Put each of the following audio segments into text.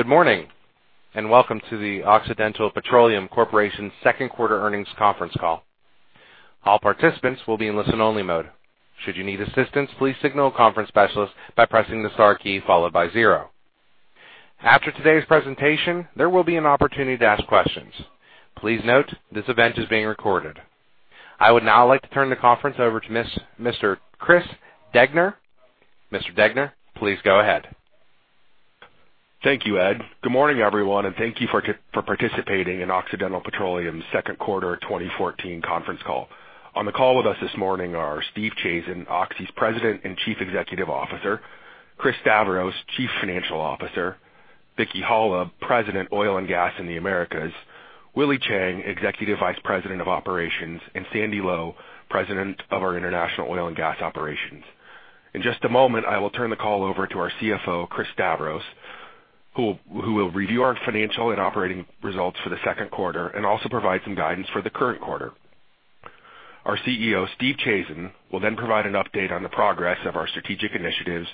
Good morning, and welcome to the Occidental Petroleum Corporation second quarter earnings conference call. All participants will be in listen only mode. Should you need assistance, please signal a conference specialist by pressing the star key followed by zero. After today's presentation, there will be an opportunity to ask questions. Please note, this event is being recorded. I would now like to turn the conference over to Mr. Chris Degner. Mr. Degner, please go ahead. Thank you, Ed. Good morning, everyone, and thank you for participating in Occidental Petroleum's second quarter 2014 conference call. On the call with us this morning are Steve Chazen, Oxy's President and Chief Executive Officer, Chris Stavros, Chief Financial Officer, Vicki Hollub, President, Oil and Gas in the Americas, Willy Cheng, Executive Vice President of Operations, and Sandy Lowe, President of our International Oil and Gas Operations. In just a moment, I will turn the call over to our CFO, Chris Stavros, who will review our financial and operating results for the second quarter and also provide some guidance for the current quarter. Our CEO, Steve Chazen, will then provide an update on the progress of our strategic initiatives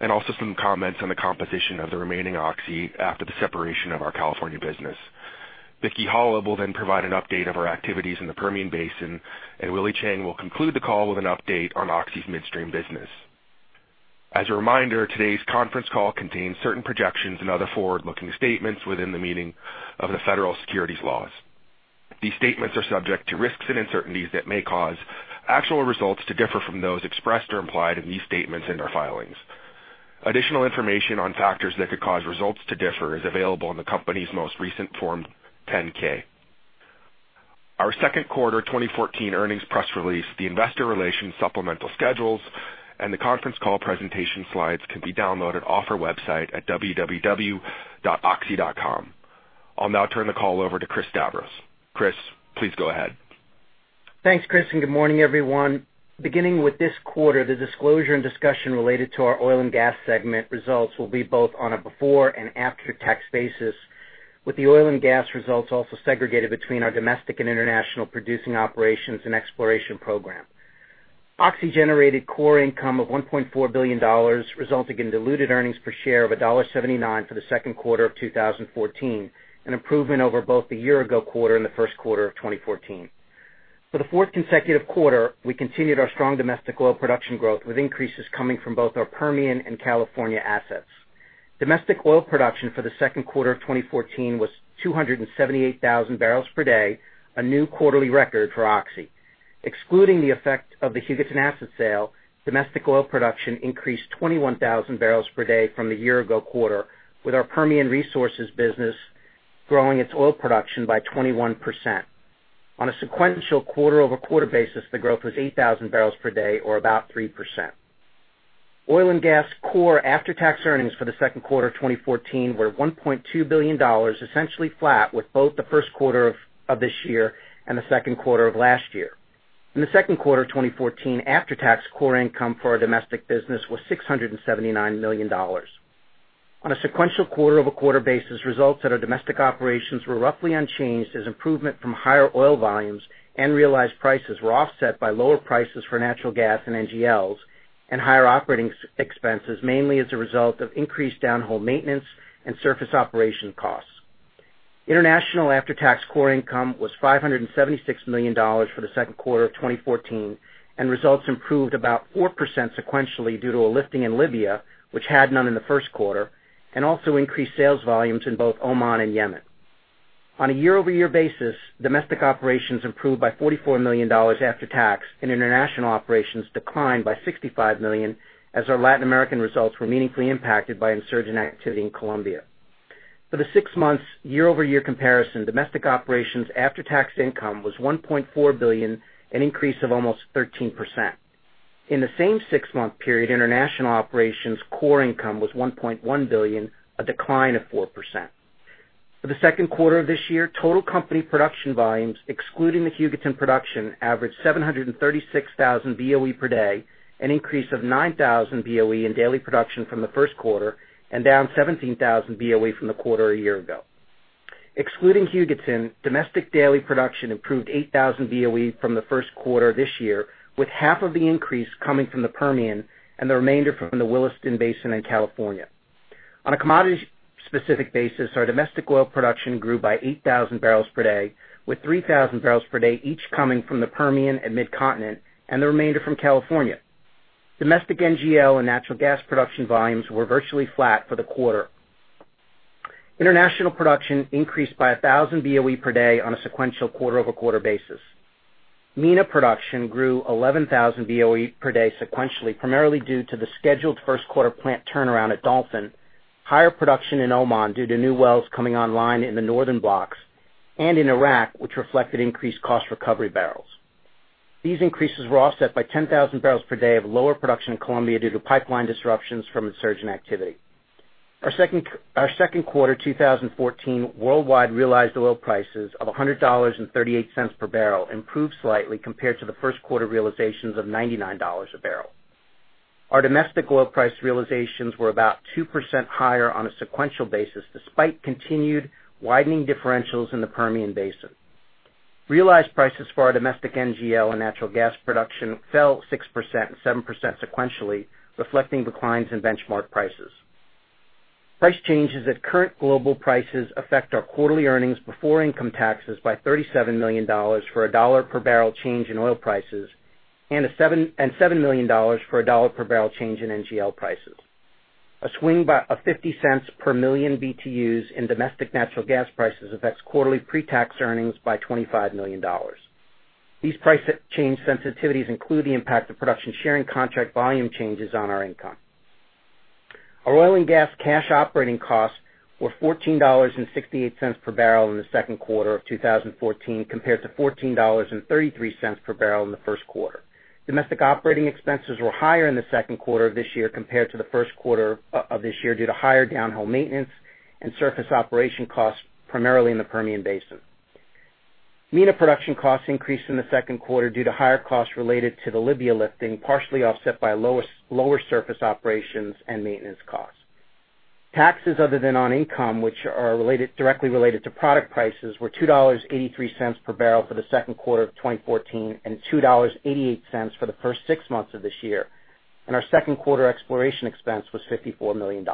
and also some comments on the composition of the remaining Oxy after the separation of our California business. Vicki Hollub will then provide an update of our activities in the Permian Basin, and Willy Cheng will conclude the call with an update on Oxy's midstream business. As a reminder, today's conference call contains certain projections and other forward-looking statements within the meaning of the federal securities laws. These statements are subject to risks and uncertainties that may cause actual results to differ from those expressed or implied in these statements and our filings. Additional information on factors that could cause results to differ is available in the company's most recent Form 10-K. Our second quarter 2014 earnings press release, the investor relations supplemental schedules, and the conference call presentation slides can be downloaded off our website at www.oxy.com. I'll now turn the call over to Chris Stavros. Chris, please go ahead. Thanks, Chris, and good morning, everyone. Beginning with this quarter, the disclosure and discussion related to our Oil and Gas segment results will be both on a before and after-tax basis, with the Oil and Gas results also segregated between our domestic and international producing operations and exploration program. Oxy generated core income of $1.4 billion, resulting in diluted earnings per share of $1.79 for the second quarter of 2014, an improvement over both the year ago quarter and the first quarter of 2014. For the fourth consecutive quarter, we continued our strong domestic oil production growth, with increases coming from both our Permian and California assets. Domestic oil production for the second quarter of 2014 was 278,000 barrels per day, a new quarterly record for Oxy. Excluding the effect of the Hugoton asset sale, domestic oil production increased 21,000 barrels per day from the year ago quarter, with our Permian Resources business growing its oil production by 21%. On a sequential quarter-over-quarter basis, the growth was 8,000 barrels per day, or about 3%. Oil and gas core after-tax earnings for the second quarter 2014 were $1.2 billion, essentially flat with both the first quarter of this year and the second quarter of last year. In the second quarter of 2014, after-tax core income for our domestic business was $679 million. On a sequential quarter-over-quarter basis, results at our domestic operations were roughly unchanged as improvement from higher oil volumes and realized prices were offset by lower prices for natural gas and NGLs and higher operating expenses, mainly as a result of increased downhole maintenance and surface operation costs. International after-tax core income was $576 million for the second quarter of 2014. Results improved about 4% sequentially due to a lifting in Libya, which had none in the first quarter, and also increased sales volumes in both Oman and Yemen. On a year-over-year basis, domestic operations improved by $44 million after tax, and international operations declined by $65 million, as our Latin American results were meaningfully impacted by insurgent activity in Colombia. For the six months year-over-year comparison, domestic operations after-tax income was $1.4 billion, an increase of almost 13%. In the same six-month period, international operations core income was $1.1 billion, a decline of 4%. For the second quarter of this year, total company production volumes, excluding the Hugoton production, averaged 736,000 BOE per day, an increase of 9,000 BOE in daily production from the first quarter, and down 17,000 BOE from the quarter a year ago. Excluding Hugoton, domestic daily production improved 8,000 BOE from the first quarter this year, with half of the increase coming from the Permian and the remainder from the Williston Basin in California. On a commodity specific basis, our domestic oil production grew by 8,000 barrels per day, with 3,000 barrels per day each coming from the Permian and Midcontinent, and the remainder from California. Domestic NGL and natural gas production volumes were virtually flat for the quarter. International production increased by 1,000 BOE per day on a sequential quarter-over-quarter basis. MENA production grew 11,000 BOE per day sequentially, primarily due to the scheduled first quarter plant turnaround at Dolphin, higher production in Oman due to new wells coming online in the northern blocks, and in Iraq, which reflected increased cost recovery barrels. These increases were offset by 10,000 barrels per day of lower production in Colombia due to pipeline disruptions from insurgent activity. Our second quarter 2014 worldwide realized oil prices of $100.38 per barrel improved slightly compared to the first quarter realizations of $99 a barrel. Our domestic oil price realizations were about 2% higher on a sequential basis, despite continued widening differentials in the Permian Basin. Realized prices for our domestic NGL and natural gas production fell 6%, 7% sequentially, reflecting declines in benchmark prices. Price changes at current global prices affect our quarterly earnings before income taxes by $37 million for $1 per barrel change in oil prices and $7 million for $1 per barrel change in NGL prices. A swing by a $0.50 per million BTUs in domestic natural gas prices affects quarterly pre-tax earnings by $25 million. These price change sensitivities include the impact of production sharing contract volume changes on our income. Our oil and gas cash operating costs were $14.68 per barrel in the second quarter of 2014, compared to $14.33 per barrel in the first quarter. Domestic operating expenses were higher in the second quarter of this year compared to the first quarter of this year due to higher downhole maintenance and surface operation costs, primarily in the Permian Basin. MENA production costs increased in the second quarter due to higher costs related to the Libya lifting, partially offset by lower surface operations and maintenance costs. Taxes other than on income, which are directly related to product prices, were $2.83 per barrel for the second quarter of 2014 and $2.88 for the first six months of this year, and our second quarter exploration expense was $54 million.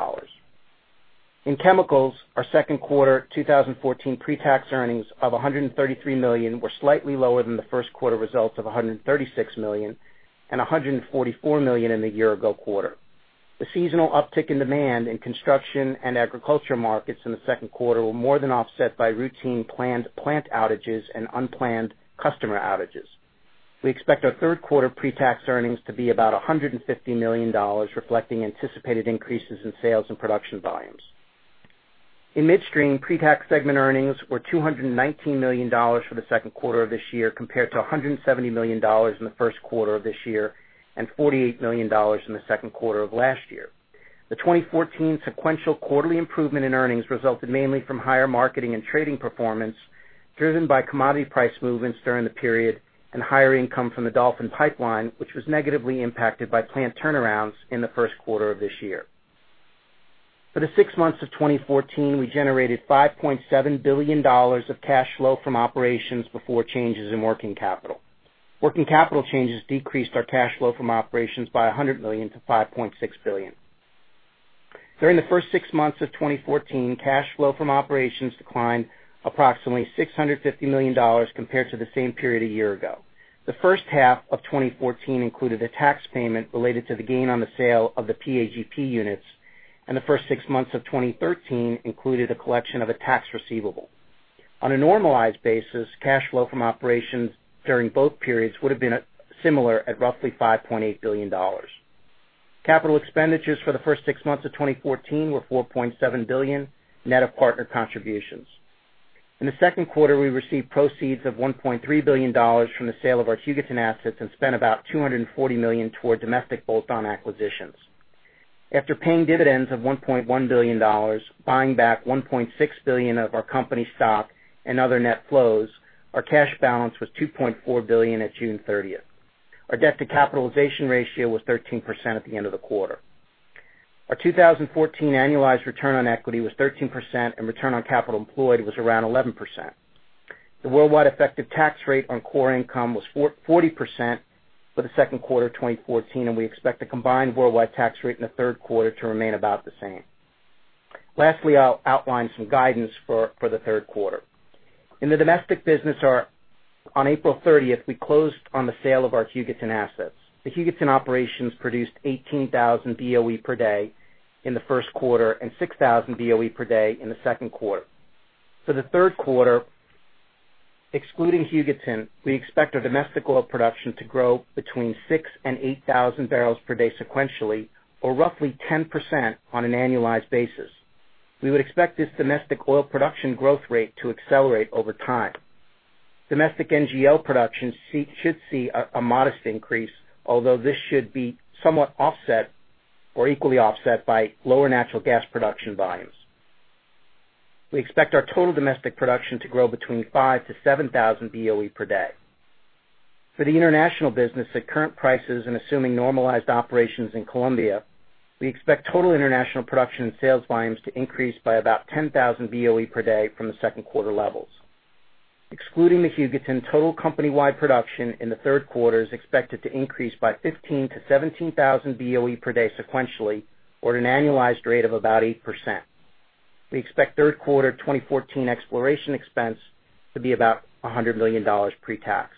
In Chemicals, our second quarter 2014 pre-tax earnings of $133 million were slightly lower than the first quarter results of $136 million and $144 million in the year ago quarter. The seasonal uptick in demand in construction and agriculture markets in the second quarter were more than offset by routine planned plant outages and unplanned customer outages. We expect our third quarter pre-tax earnings to be about $150 million, reflecting anticipated increases in sales and production volumes. In midstream, pre-tax segment earnings were $219 million for the second quarter of this year, compared to $170 million in the first quarter of this year and $48 million in the second quarter of last year. The 2014 sequential quarterly improvement in earnings resulted mainly from higher marketing and trading performance, driven by commodity price movements during the period and higher income from the Dolphin pipeline, which was negatively impacted by plant turnarounds in the first quarter of this year. For the six months of 2014, we generated $5.7 billion of cash flow from operations before changes in working capital. Working capital changes decreased our cash flow from operations by $100 million to $5.6 billion. During the first six months of 2014, cash flow from operations declined approximately $650 million compared to the same period a year ago. The first half of 2014 included a tax payment related to the gain on the sale of the PAGP units, and the first six months of 2013 included a collection of a tax receivable. On a normalized basis, cash flow from operations during both periods would have been similar at roughly $5.8 billion. Capital expenditures for the first six months of 2014 were $4.7 billion, net of partner contributions. In the second quarter, we received proceeds of $1.3 billion from the sale of our Hugoton assets and spent about $240 million toward domestic bolt-on acquisitions. After paying dividends of $1.1 billion, buying back $1.6 billion of our company stock and other net flows, our cash balance was $2.4 billion at June 30th. Our debt to capitalization ratio was 13% at the end of the quarter. Our 2014 annualized return on equity was 13%, and return on capital employed was around 11%. The worldwide effective tax rate on core income was 40% for the second quarter of 2014, and we expect the combined worldwide tax rate in the third quarter to remain about the same. Lastly, I'll outline some guidance for the third quarter. In the domestic business, on April 30th, we closed on the sale of our Hugoton assets. The Hugoton operations produced 18,000 BOE per day in the first quarter and 6,000 BOE per day in the second quarter. For the third quarter, excluding Hugoton, we expect our domestic oil production to grow between 6,000 and 8,000 barrels per day sequentially or roughly 10% on an annualized basis. We would expect this domestic oil production growth rate to accelerate over time. Domestic NGL production should see a modest increase, although this should be somewhat offset or equally offset by lower natural gas production volumes. We expect our total domestic production to grow between 5,000 to 7,000 BOE per day. For the international business at current prices and assuming normalized operations in Colombia, we expect total international production and sales volumes to increase by about 10,000 BOE per day from the second quarter levels. Excluding the Hugoton, total company-wide production in the third quarter is expected to increase by 15,000 to 17,000 BOE per day sequentially or at an annualized rate of about 8%. We expect third quarter 2014 exploration expense to be about $100 million pre-tax.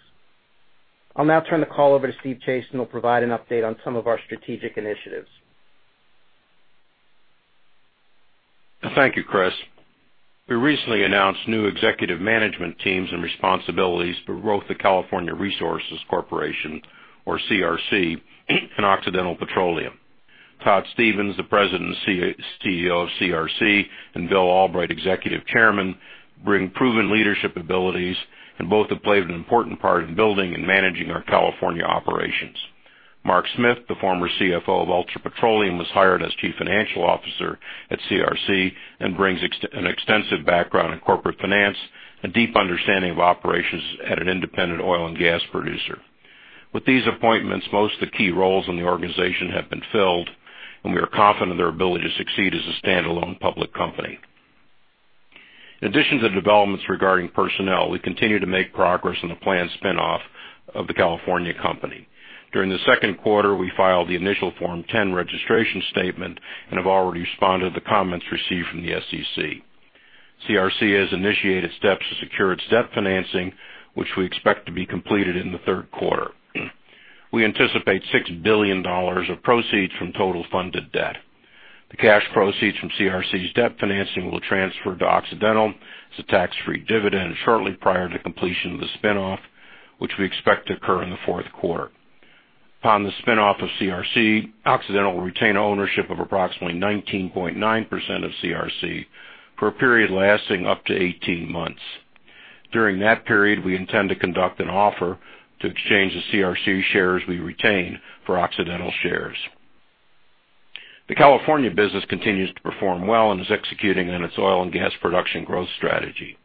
I'll now turn the call over to Steve Chazen, and he'll provide an update on some of our strategic initiatives. Thank you, Chris. We recently announced new executive management teams and responsibilities for both the California Resources Corporation, or CRC, and Occidental Petroleum. Todd Stevens, the President and CEO of CRC, and Bill Albrecht, Executive Chairman, bring proven leadership abilities, and both have played an important part in building and managing our California operations. Mark Smith, the former CFO of Ultra Petroleum, was hired as Chief Financial Officer at CRC and brings an extensive background in corporate finance, a deep understanding of operations at an independent oil and gas producer. With these appointments, most of the key roles in the organization have been filled, and we are confident in their ability to succeed as a standalone public company. In addition to developments regarding personnel, we continue to make progress on the planned spin-off of the California company. During the second quarter, we filed the initial Form 10 registration statement and have already responded to comments received from the SEC. CRC has initiated steps to secure its debt financing, which we expect to be completed in the third quarter. We anticipate $6 billion of proceeds from total funded debt. The cash proceeds from CRC's debt financing will transfer to Occidental as a tax-free dividend shortly prior to completion of the spin-off, which we expect to occur in the fourth quarter. Upon the spin-off of CRC, Occidental will retain ownership of approximately 19.9% of CRC for a period lasting up to 18 months. During that period, we intend to conduct an offer to exchange the CRC shares we retain for Occidental shares. The California business continues to perform well and is executing on its oil and gas production growth strategy.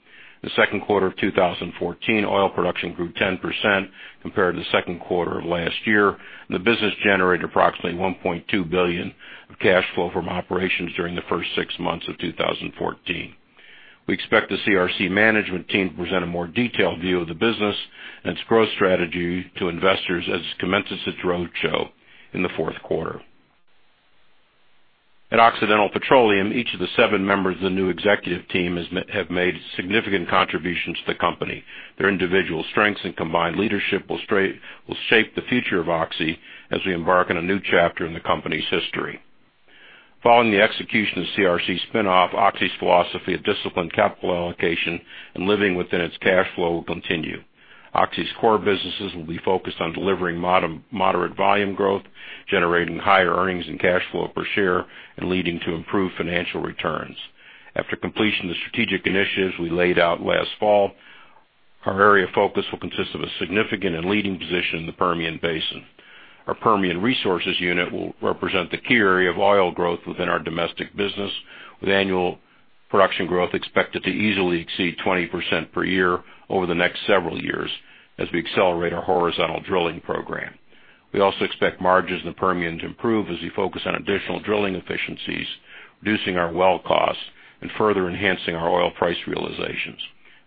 In the second quarter of 2014, oil production grew 10% compared to the second quarter of last year. The business generated approximately $1.2 billion of cash flow from operations during the first six months of 2014. We expect the CRC management team to present a more detailed view of the business and its growth strategy to investors as it commences its roadshow in the fourth quarter. At Occidental Petroleum, each of the seven members of the new executive team have made significant contributions to the company. Their individual strengths and combined leadership will shape the future of Oxy as we embark on a new chapter in the company's history. Following the execution of CRC's spin-off, Oxy's philosophy of disciplined capital allocation and living within its cash flow will continue. Oxy's core businesses will be focused on delivering moderate volume growth, generating higher earnings and cash flow per share, and leading to improved financial returns. After completion of the strategic initiatives we laid out last fall, our area of focus will consist of a significant and leading position in the Permian Basin. Our Permian Resources unit will represent the key area of oil growth within our domestic business, with annual production growth expected to easily exceed 20% per year over the next several years as we accelerate our horizontal drilling program. We also expect margins in the Permian to improve as we focus on additional drilling efficiencies, reducing our well costs, and further enhancing our oil price realizations.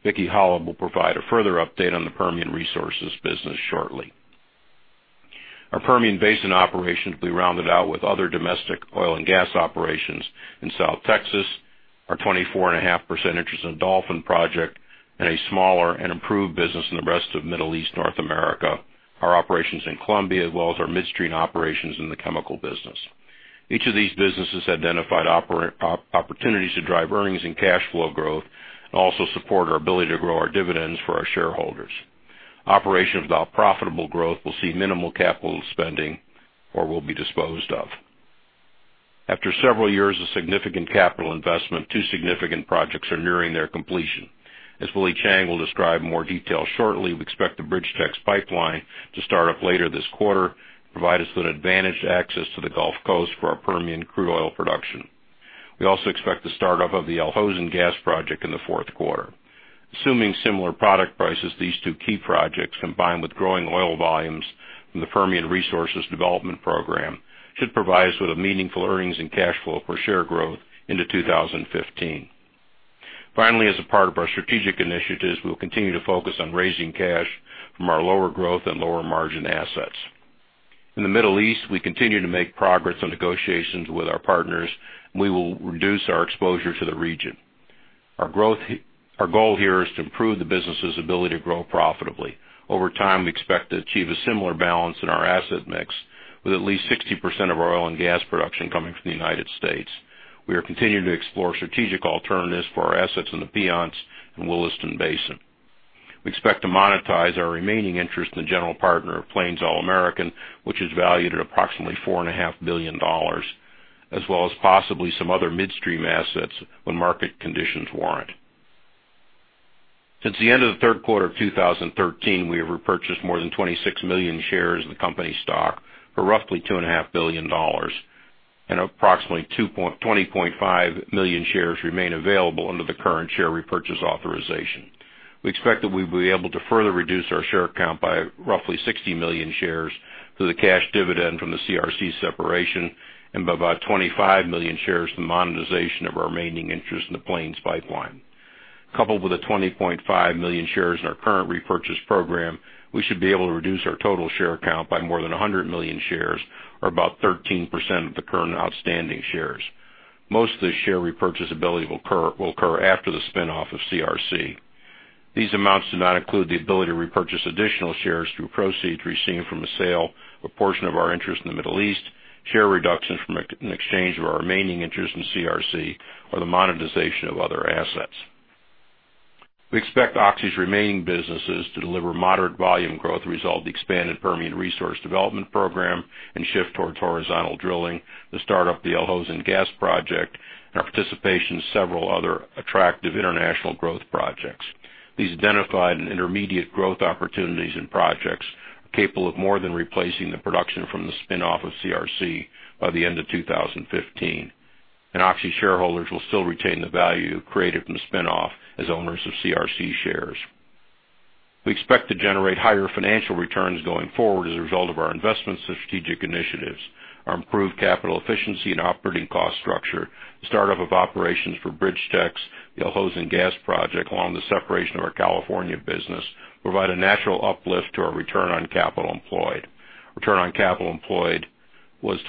Vicki Hollub will provide a further update on the Permian Resources business shortly. Our Permian Basin operations will be rounded out with other domestic oil and gas operations in South Texas, our 24.5% interest in the Dolphin project, and a smaller and improved business in the rest of Middle East and North Africa, our operations in Colombia, as well as our midstream operations in the OxyChem business. Each of these businesses identified opportunities to drive earnings and cash flow growth and also support our ability to grow our dividends for our shareholders. Operations without profitable growth will see minimal capital spending or will be disposed of. After several years of significant capital investment, two significant projects are nearing their completion. As Willie Chiang will describe in more detail shortly, we expect the BridgeTex Pipeline to start up later this quarter and provide us with an advantaged access to the Gulf Coast for our Permian crude oil production. We also expect the startup of the Al Hosn Gas project in the fourth quarter. Assuming similar product prices, these two key projects, combined with growing oil volumes from the Permian Resources development program, should provide us with a meaningful earnings and cash flow per share growth into 2015. Finally, as a part of our strategic initiatives, we will continue to focus on raising cash from our lower growth and lower margin assets. In the Middle East, we continue to make progress on negotiations with our partners, and we will reduce our exposure to the region. Our goal here is to improve the business's ability to grow profitably. Over time, we expect to achieve a similar balance in our asset mix, with at least 60% of our oil and gas production coming from the United States. We are continuing to explore strategic alternatives for our assets in the Piceance and Williston Basin. We expect to monetize our remaining interest in the general partner of Plains All American, which is valued at approximately $4.5 billion, as well as possibly some other midstream assets when market conditions warrant. Since the end of the third quarter of 2013, we have repurchased more than 26 million shares of the company stock for roughly $2.5 billion, and approximately 20.5 million shares remain available under the current share repurchase authorization. We expect that we will be able to further reduce our share count by roughly 60 million shares through the cash dividend from the CRC separation and by about 25 million shares from the monetization of our remaining interest in the Plains pipeline. Coupled with the 20.5 million shares in our current repurchase program, we should be able to reduce our total share count by more than 100 million shares, or about 13% of the current outstanding shares. Most of the share repurchase ability will occur after the spin-off of CRC. These amounts do not include the ability to repurchase additional shares through proceeds received from the sale of a portion of our interest in the Middle East, share reductions from an exchange of our remaining interest in CRC, or the monetization of other assets. We expect Oxy's remaining businesses to deliver moderate volume growth resulting from the expanded Permian Resources development program and shift towards horizontal drilling, the startup of the Al Hosn Gas project, and our participation in several other attractive international growth projects. These identified and intermediate growth opportunities and projects are capable of more than replacing the production from the spin-off of CRC by the end of 2015. Oxy shareholders will still retain the value created from the spin-off as owners of CRC shares. We expect to generate higher financial returns going forward as a result of our investments in strategic initiatives. Our improved capital efficiency and operating cost structure, the start-up of operations for BridgeTex, the Al Hosn Gas project, along with the separation of our California business, provide a natural uplift to our return on capital employed. Return on capital employed was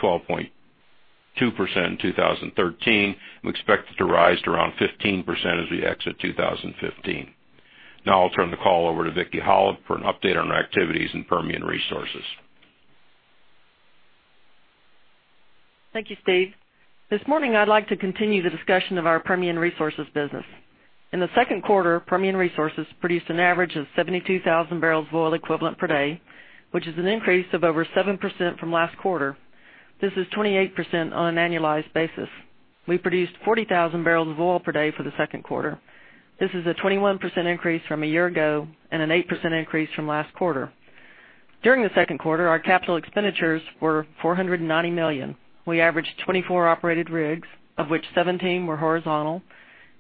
12.2% in 2013, and we expect it to rise to around 15% as we exit 2015. Now I'll turn the call over to Vicki Hollub for an update on our activities in Permian Resources. Thank you, Steve. This morning, I'd like to continue the discussion of our Permian Resources business. In the second quarter, Permian Resources produced an average of 72,000 barrels of oil equivalent per day, which is an increase of over 7% from last quarter. This is 28% on an annualized basis. We produced 40,000 barrels of oil per day for the second quarter. This is a 21% increase from a year ago and an 8% increase from last quarter. During the second quarter, our capital expenditures were $490 million. We averaged 24 operated rigs, of which 17 were horizontal,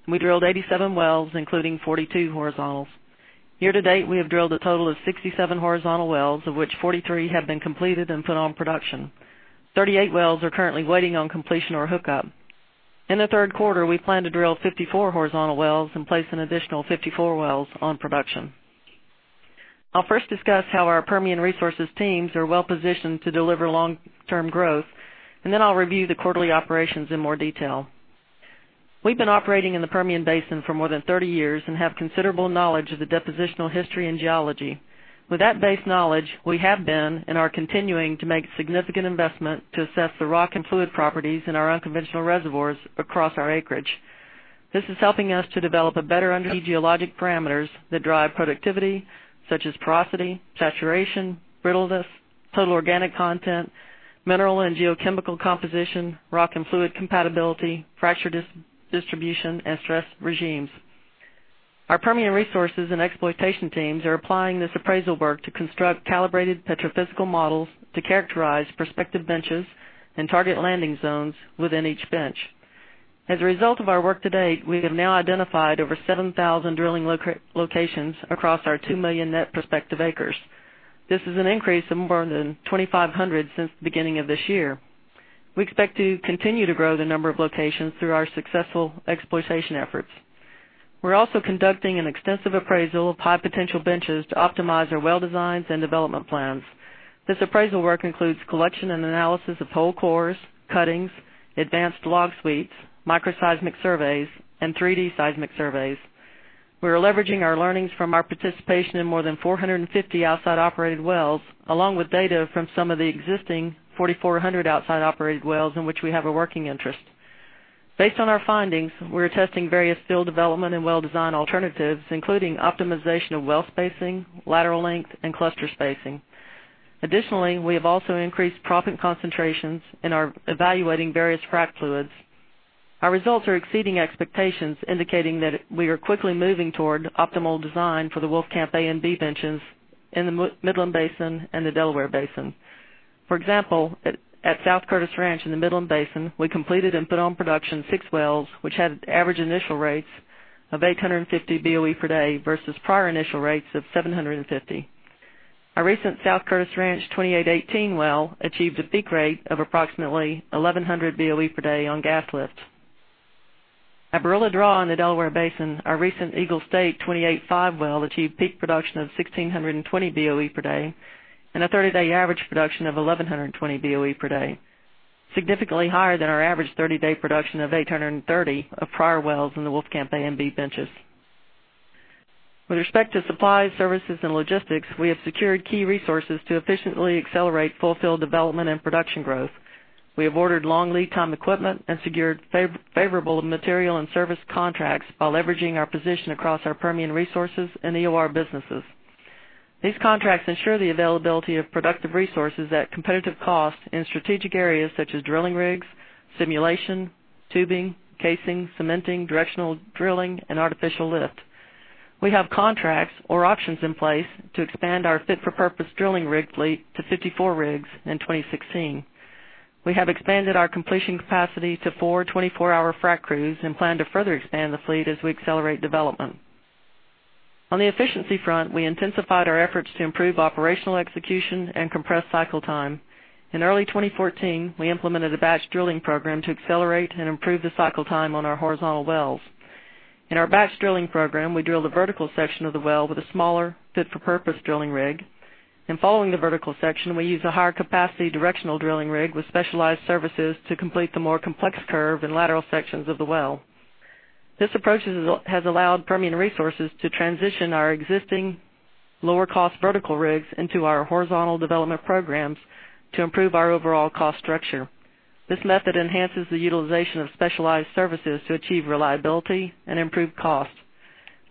and we drilled 87 wells, including 42 horizontals. Year to date, we have drilled a total of 67 horizontal wells, of which 43 have been completed and put on production. 38 wells are currently waiting on completion or hookup. In the third quarter, we plan to drill 54 horizontal wells and place an additional 54 wells on production. I'll first discuss how our Permian Resources teams are well-positioned to deliver long-term growth, then I'll review the quarterly operations in more detail. We've been operating in the Permian Basin for more than 30 years and have considerable knowledge of the depositional history and geology. With that base knowledge, we have been and are continuing to make significant investment to assess the rock and fluid properties in our unconventional reservoirs across our acreage. This is helping us to develop a better understanding of geologic parameters that drive productivity, such as porosity, saturation, brittleness, total organic content, mineral and geochemical composition, rock and fluid compatibility, fracture distribution, and stress regimes. Our Permian Resources and exploitation teams are applying this appraisal work to construct calibrated petrophysical models to characterize prospective benches and target landing zones within each bench. As a result of our work to date, we have now identified over 7,000 drilling locations across our 2 million net prospective acres. This is an increase of more than 2,500 since the beginning of this year. We expect to continue to grow the number of locations through our successful exploitation efforts. We're also conducting an extensive appraisal of high-potential benches to optimize our well designs and development plans. This appraisal work includes collection and analysis of whole cores, cuttings, advanced log suites, microseismic surveys, and 3D seismic surveys. We are leveraging our learnings from our participation in more than 450 outside operated wells, along with data from some of the existing 4,400 outside operated wells in which we have a working interest. Based on our findings, we're testing various field development and well design alternatives, including optimization of well spacing, lateral length, and cluster spacing. Additionally, we have also increased proppant concentrations and are evaluating various frac fluids. Our results are exceeding expectations, indicating that we are quickly moving toward optimal design for the Wolfcamp A and B benches in the Midland Basin and the Delaware Basin. For example, at South Curtis Ranch in the Midland Basin, we completed and put on production six wells, which had average initial rates of 850 BOE per day versus prior initial rates of 750. Our recent South Curtis Ranch 2818 well achieved a peak rate of approximately 1,100 BOE per day on gas lift. At Barilla Draw in the Delaware Basin, our recent Eagle State 28-5 well achieved peak production of 1,620 BOE per day and a 30-day average production of 1,120 BOE per day, significantly higher than our average 30-day production of 830 of prior wells in the Wolfcamp A and B benches. With respect to supply, services, and logistics, we have secured key resources to efficiently accelerate fulfilled development and production growth. We have ordered long lead time equipment and secured favorable material and service contracts while leveraging our position across our Permian Resources and EOR businesses. These contracts ensure the availability of productive resources at competitive costs in strategic areas such as drilling rigs, simulation, tubing, casing, cementing, directional drilling, and artificial lift. We have contracts or options in place to expand our fit-for-purpose drilling rig fleet to 54 rigs in 2016. We have expanded our completion capacity to four 24-hour frac crews and plan to further expand the fleet as we accelerate development. On the efficiency front, we intensified our efforts to improve operational execution and compress cycle time. In early 2014, we implemented a batch drilling program to accelerate and improve the cycle time on our horizontal wells. In our batch drilling program, we drill the vertical section of the well with a smaller fit-for-purpose drilling rig, and following the vertical section, we use a higher capacity directional drilling rig with specialized services to complete the more complex curve and lateral sections of the well. This approach has allowed Permian Resources to transition our existing lower-cost vertical rigs into our horizontal development programs to improve our overall cost structure. This method enhances the utilization of specialized services to achieve reliability and improve costs.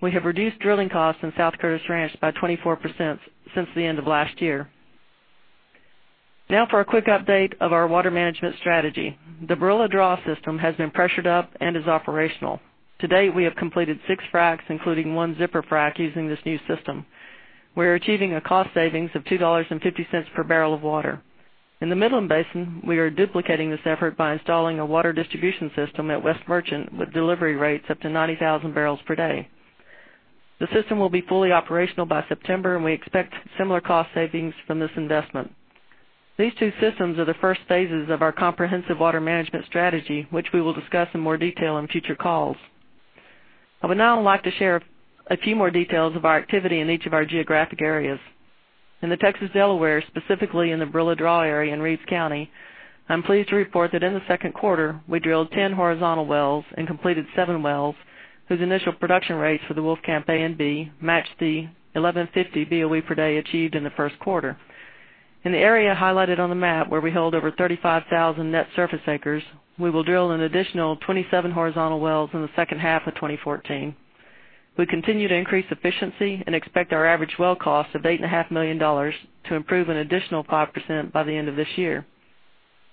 We have reduced drilling costs in South Curtis Ranch by 24% since the end of last year. For a quick update of our water management strategy. The Barilla Draw system has been pressured up and is operational. To date, we have completed six fracs, including one zipper frac using this new system. We're achieving a cost savings of $2.50 per barrel of water. In the Midland Basin, we are duplicating this effort by installing a water distribution system at West Merchant, with delivery rates up to 90,000 barrels per day. The system will be fully operational by September, we expect similar cost savings from this investment. These two systems are the first phases of our comprehensive water management strategy, which we will discuss in more detail on future calls. I would now like to share a few more details of our activity in each of our geographic areas. In the Texas Delaware, specifically in the Barilla Draw area in Reeves County, I'm pleased to report that in the second quarter, we drilled 10 horizontal wells and completed seven wells, whose initial production rates for the Wolfcamp A and B matched the 1,150 BOE per day achieved in the first quarter. In the area highlighted on the map where we hold over 35,000 net surface acres, we will drill an additional 27 horizontal wells in the second half of 2014. We continue to increase efficiency and expect our average well cost of $8.5 million to improve an additional 5% by the end of this year.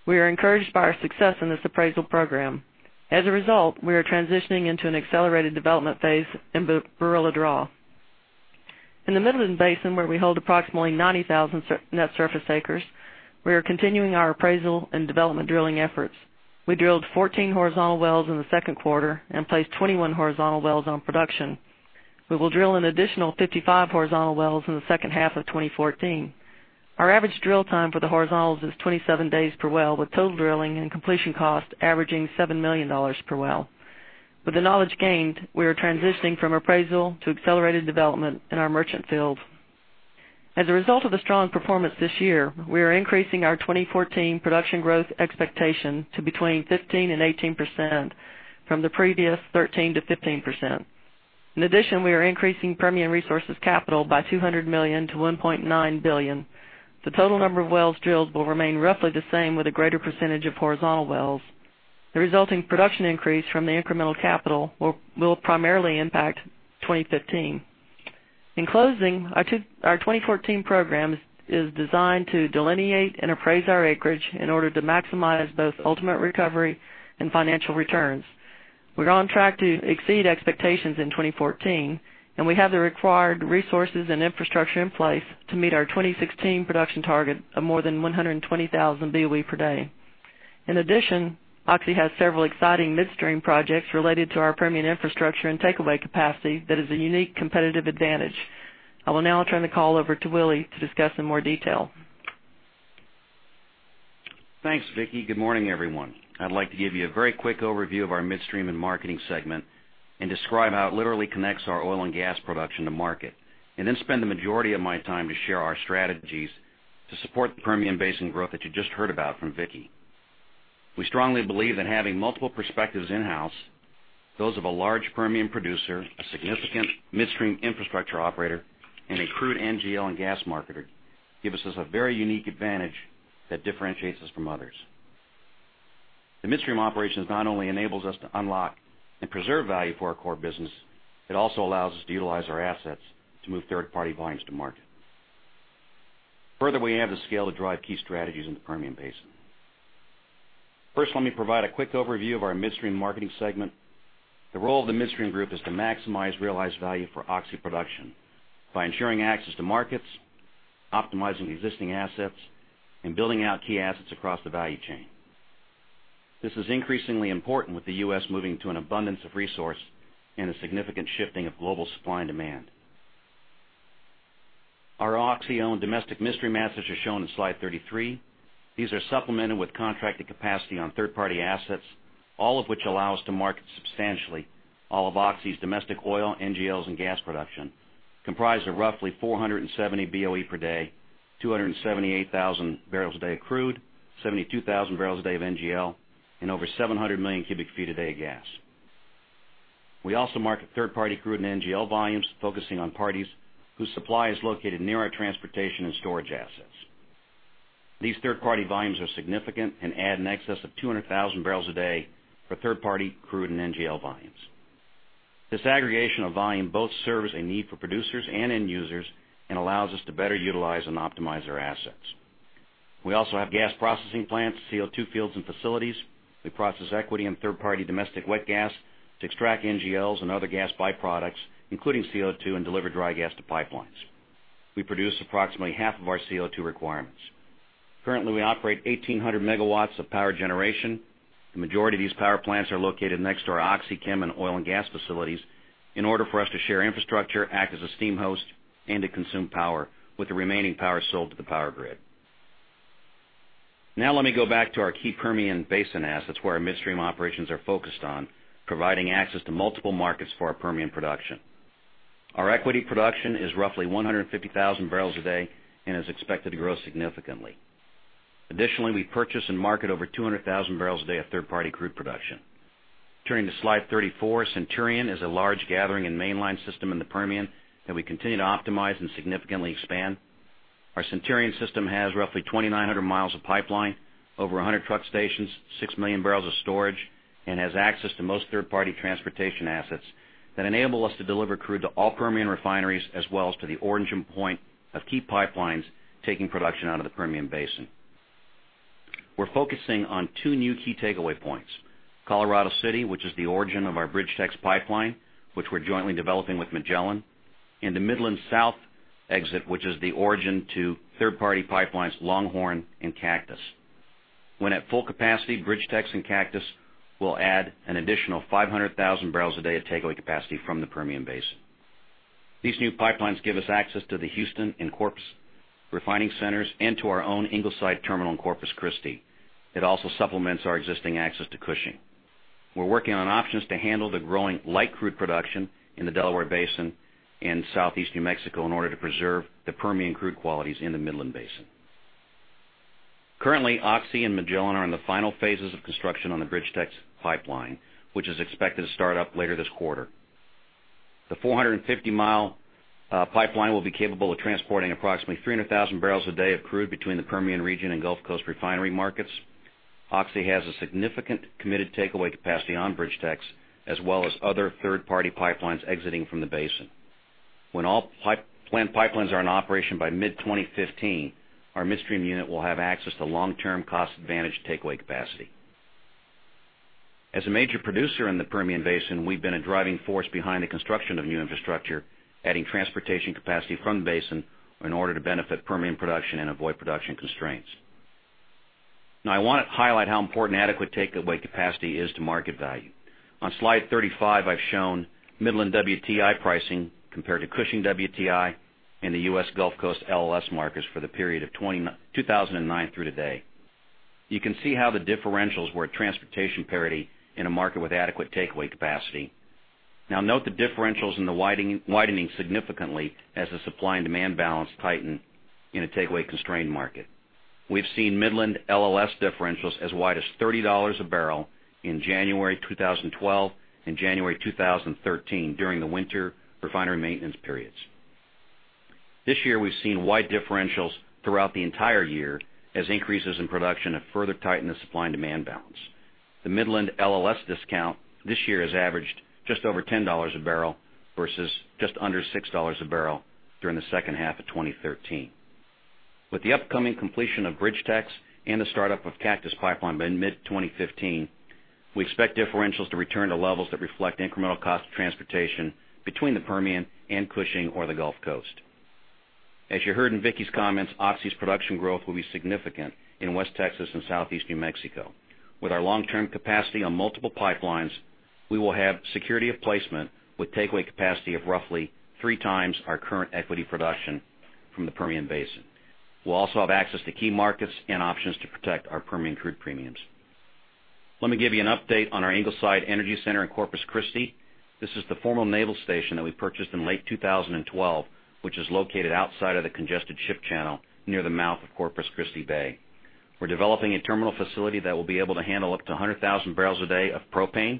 We are encouraged by our success in this appraisal program. As a result, we are transitioning into an accelerated development phase in Barilla Draw. In the Midland Basin, where we hold approximately 90,000 net surface acres, we are continuing our appraisal and development drilling efforts. We drilled 14 horizontal wells in the second quarter and placed 21 horizontal wells on production. We will drill an additional 55 horizontal wells in the second half of 2014. Our average drill time for the horizontals is 27 days per well, with total drilling and completion cost averaging $7 million per well. With the knowledge gained, we are transitioning from appraisal to accelerated development in our merchant fields. As a result of the strong performance this year, we are increasing our 2014 production growth expectation to between 15% and 18% from the previous 13%-15%. In addition, we are increasing Permian Resources capital by $200 million to $1.9 billion. The total number of wells drilled will remain roughly the same with a greater percentage of horizontal wells. The resulting production increase from the incremental capital will primarily impact 2015. In closing, our 2014 program is designed to delineate and appraise our acreage in order to maximize both ultimate recovery and financial returns. We're on track to exceed expectations in 2014, and we have the required resources and infrastructure in place to meet our 2016 production target of more than 120,000 BOE per day. In addition, Oxy has several exciting midstream projects related to our Permian infrastructure and takeaway capacity that is a unique competitive advantage. I will now turn the call over to Willy to discuss in more detail. Thanks, Vicki. Good morning, everyone. I'd like to give you a very quick overview of our midstream and marketing segment and describe how it literally connects our oil and gas production to market, then spend the majority of my time to share our strategies to support the Permian Basin growth that you just heard about from Vicki. We strongly believe that having multiple perspectives in-house, those of a large Permian producer, a significant midstream infrastructure operator, and a crude NGL and gas marketer, gives us a very unique advantage that differentiates us from others. The midstream operations not only enables us to unlock and preserve value for our core business, it also allows us to utilize our assets to move third-party volumes to market. We have the scale to drive key strategies in the Permian Basin. Let me provide a quick overview of our midstream marketing segment. The role of the midstream group is to maximize realized value for Oxy production by ensuring access to markets, optimizing existing assets, and building out key assets across the value chain. This is increasingly important with the U.S. moving to an abundance of resource and a significant shifting of global supply and demand. Our Oxy-owned domestic midstream assets are shown in slide 33. These are supplemented with contracted capacity on third-party assets, all of which allow us to market substantially all of Oxy's domestic oil, NGLs, and gas production, comprised of roughly 470 BOE per day, 278,000 barrels a day of crude, 72,000 barrels a day of NGL, and over 700 million cubic feet a day of gas. We also market third-party crude and NGL volumes, focusing on parties whose supply is located near our transportation and storage assets. These third-party volumes are significant and add in excess of 200,000 barrels a day for third-party crude and NGL volumes. This aggregation of volume both serves a need for producers and end users and allows us to better utilize and optimize their assets. We also have gas processing plants, CO2 fields, and facilities. We process equity and third-party domestic wet gas to extract NGLs and other gas byproducts, including CO2, and deliver dry gas to pipelines. We produce approximately half of our CO2 requirements. Currently, we operate 1,800 megawatts of power generation. The majority of these power plants are located next to our OxyChem and oil and gas facilities in order for us to share infrastructure, act as a steam host, and to consume power, with the remaining power sold to the power grid. Now let me go back to our key Permian Basin assets, where our midstream operations are focused on providing access to multiple markets for our Permian production. Our equity production is roughly 150,000 barrels a day and is expected to grow significantly. Additionally, we purchase and market over 200,000 barrels a day of third-party crude production. Turning to slide 34, Centurion is a large gathering and mainline system in the Permian that we continue to optimize and significantly expand. Our Centurion system has roughly 2,900 miles of pipeline, over 100 truck stations, 6 million barrels of storage, and has access to most third-party transportation assets that enable us to deliver crude to all Permian refineries as well as to the origin point of key pipelines taking production out of the Permian Basin. We are focusing on two new key takeaway points, Colorado City, which is the origin of our BridgeTex Pipeline, which we are jointly developing with Magellan, and the Midland south exit, which is the origin to third-party pipelines, Longhorn and Cactus. When at full capacity, BridgeTex and Cactus will add an additional 500,000 barrels a day of takeaway capacity from the Permian Basin. These new pipelines give us access to the Houston and Corpus refining centers and to our own Ingleside terminal in Corpus Christi. It also supplements our existing access to Cushing. We are working on options to handle the growing light crude production in the Delaware Basin in southeast New Mexico in order to preserve the Permian crude qualities in the Midland Basin. Currently, Oxy and Magellan are in the final phases of construction on the BridgeTex Pipeline, which is expected to start up later this quarter. The 450-mile pipeline will be capable of transporting approximately 300,000 barrels a day of crude between the Permian region and Gulf Coast refinery markets. Oxy has a significant committed takeaway capacity on BridgeTex, as well as other third-party pipelines exiting from the basin. When all planned pipelines are in operation by mid-2015, our midstream unit will have access to long-term cost advantage takeaway capacity. As a major producer in the Permian Basin, we have been a driving force behind the construction of new infrastructure, adding transportation capacity from the basin in order to benefit Permian production and avoid production constraints. Now I want to highlight how important adequate takeaway capacity is to market value. On slide 35, I have shown Midland WTI pricing compared to Cushing WTI and the U.S. Gulf Coast LLS markets for the period of 2009 through today. You can see how the differentials were at transportation parity in a market with adequate takeaway capacity. Now note the differentials widening significantly as the supply and demand balance tighten in a takeaway-constrained market. We have seen Midland LLS differentials as wide as $30 a barrel in January 2012 and January 2013 during the winter refinery maintenance periods. This year, we have seen wide differentials throughout the entire year as increases in production have further tightened the supply and demand balance. The Midland LLS discount this year has averaged just over $10 a barrel versus just under $6 a barrel during the second half of 2013. With the upcoming completion of BridgeTex and the startup of Cactus Pipeline by mid-2015, we expect differentials to return to levels that reflect incremental cost of transportation between the Permian and Cushing or the Gulf Coast. As you heard in Vicki's comments, Oxy's production growth will be significant in West Texas and southeast New Mexico. With our long-term capacity on multiple pipelines, we will have security of placement with takeaway capacity of roughly three times our current equity production from the Permian Basin. We will also have access to key markets and options to protect our Permian crude premiums. Let me give you an update on our Ingleside Energy Center in Corpus Christi. This is the former naval station that we purchased in late 2012, which is located outside of the congested ship channel near the mouth of Corpus Christi Bay. We are developing a terminal facility that will be able to handle up to 100,000 barrels a day of propane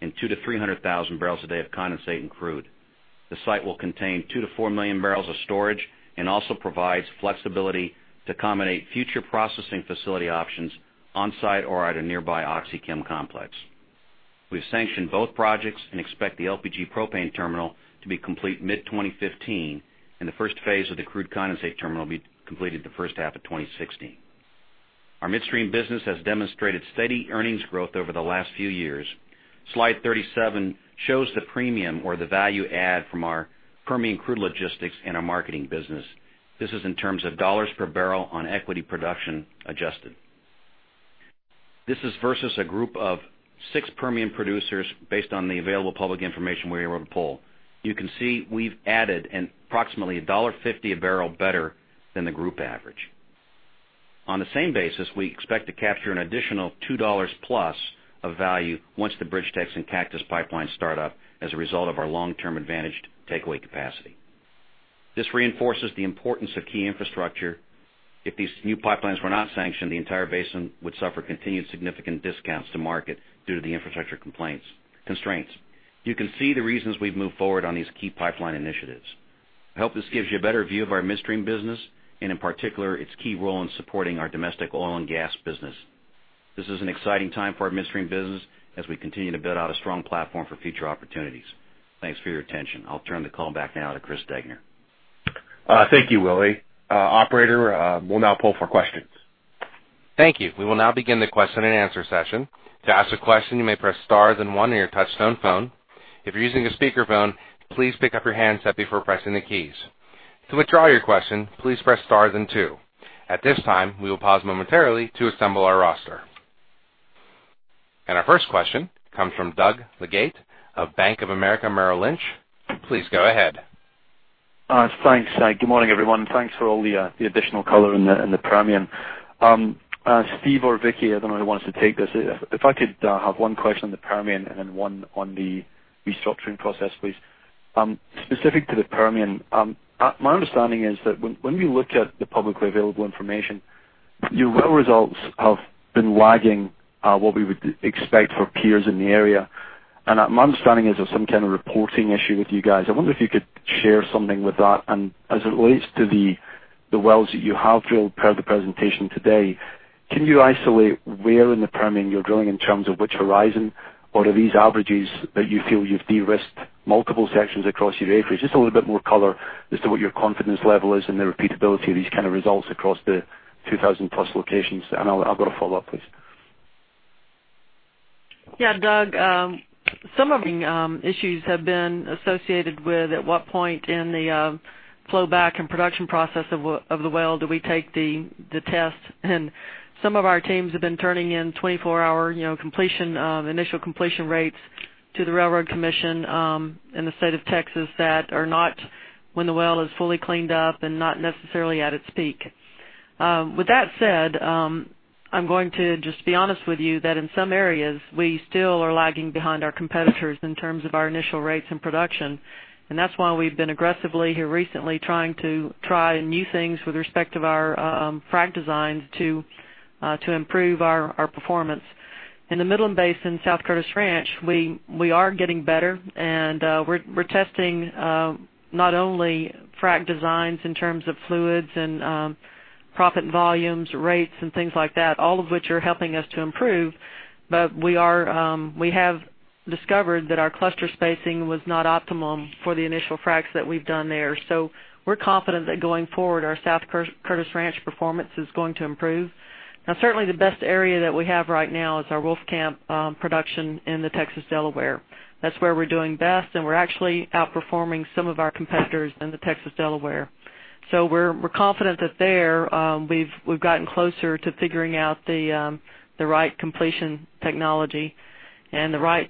and 200,000 to 300,000 barrels a day of condensate and crude. The site will contain 2 million-4 million barrels of storage and also provides flexibility to accommodate future processing facility options on-site or at a nearby OxyChem complex. We have sanctioned both projects and expect the LPG propane terminal to be complete mid-2015 and the first phase of the crude condensate terminal will be completed the first half of 2016. Our midstream business has demonstrated steady earnings growth over the last few years. Slide 37 shows the premium or the value add from our Permian crude logistics and our marketing business. This is in terms of dollars per barrel on equity production adjusted. This is versus a group of six Permian producers based on the available public information we were able to pull. You can see we have added approximately $1.50 a barrel better than the group average. On the same basis, we expect to capture an additional $2 plus of value once the BridgeTex and Cactus pipelines start up as a result of our long-term advantaged takeaway capacity. This reinforces the importance of key infrastructure. If these new pipelines were not sanctioned, the entire basin would suffer continued significant discounts to market due to the infrastructure constraints. You can see the reasons we have moved forward on these key pipeline initiatives. I hope this gives you a better view of our midstream business and, in particular, its key role in supporting our domestic oil and gas business. This is an exciting time for our midstream business as we continue to build out a strong platform for future opportunities. Thanks for your attention. I will turn the call back now to Chris Degner. Thank you, Willie. Operator, we will now poll for questions. Thank you. We will now begin the question and answer session. To ask a question, you may press star then one on your touchtone phone. If you're using a speakerphone, please pick up your handset before pressing the keys. To withdraw your question, please press star then two. At this time, we will pause momentarily to assemble our roster. Our first question comes from Doug Leggate of Bank of America Merrill Lynch. Please go ahead. Thanks. Good morning, everyone. Thanks for all the additional color in the Permian. Steve or Vicki, I don't know who wants to take this. If I could have one question on the Permian and then one on the restructuring process, please. Specific to the Permian, my understanding is that when we look at the publicly available information, your well results have been lagging what we would expect for peers in the area. My understanding is there's some kind of reporting issue with you guys. I wonder if you could share something with that, and as it relates to the wells that you have drilled per the presentation today, can you isolate where in the Permian you're drilling in terms of which horizon? Or are these averages that you feel you've de-risked multiple sections across your acreage? Just a little bit more color as to what your confidence level is and the repeatability of these kind of results across the 2,000-plus locations. I've got a follow-up, please. Yeah, Doug, some of the issues have been associated with at what point in the flow back and production process of the well do we take the test? Some of our teams have been turning in 24-hour initial completion rates to the Railroad Commission in the state of Texas that are not when the well is fully cleaned up and not necessarily at its peak. With that said, I'm going to just be honest with you that in some areas, we still are lagging behind our competitors in terms of our initial rates and production. That's why we've been aggressively here recently trying to try new things with respect of our frack designs to improve our performance. In the Midland Basin, South Curtis Ranch, we are getting better, we're testing not only frack designs in terms of fluids and proppant volumes, rates, and things like that, all of which are helping us to improve. We have discovered that our cluster spacing was not optimum for the initial fracks that we've done there. We're confident that going forward, our South Curtis Ranch performance is going to improve. Certainly the best area that we have right now is our Wolfcamp production in the Texas Delaware. That's where we're doing best, and we're actually outperforming some of our competitors in the Texas Delaware. We're confident that there, we've gotten closer to figuring out the right completion technology and the right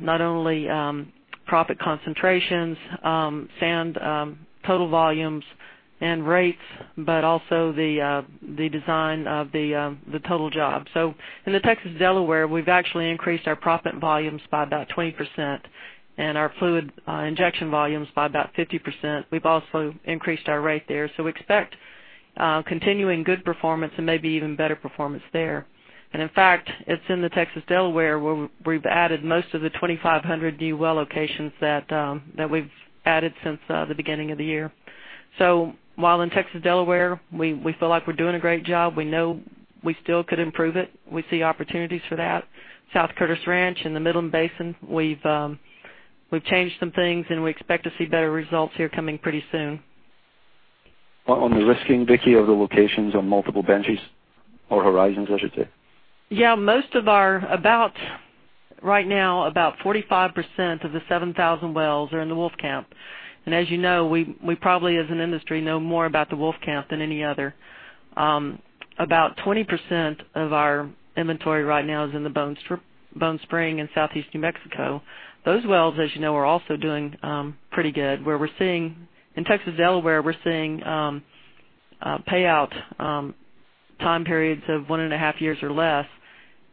not only proppant concentrations, sand total volumes, and rates, but also the design of the total job. In the Texas Delaware, we've actually increased our proppant volumes by about 20% and our fluid injection volumes by about 50%. We've also increased our rate there. We expect continuing good performance and maybe even better performance there. In fact, it's in the Texas Delaware where we've added most of the 2,500 new well locations that we've added since the beginning of the year. While in Texas Delaware, we feel like we're doing a great job. We know we still could improve it. We see opportunities for that. South Curtis Ranch in the Midland Basin, we've changed some things, and we expect to see better results here coming pretty soon. On the risking, Vicki, of the locations on multiple benches or horizons, I should say. Right now, about 45% of the 7,000 wells are in the Wolfcamp. As you know, we probably, as an industry, know more about the Wolfcamp than any other. About 20% of our inventory right now is in the Bone Spring in southeast New Mexico. Those wells, as you know, are also doing pretty good, where we're seeing in Texas Delaware, we're seeing payout time periods of one and a half years or less.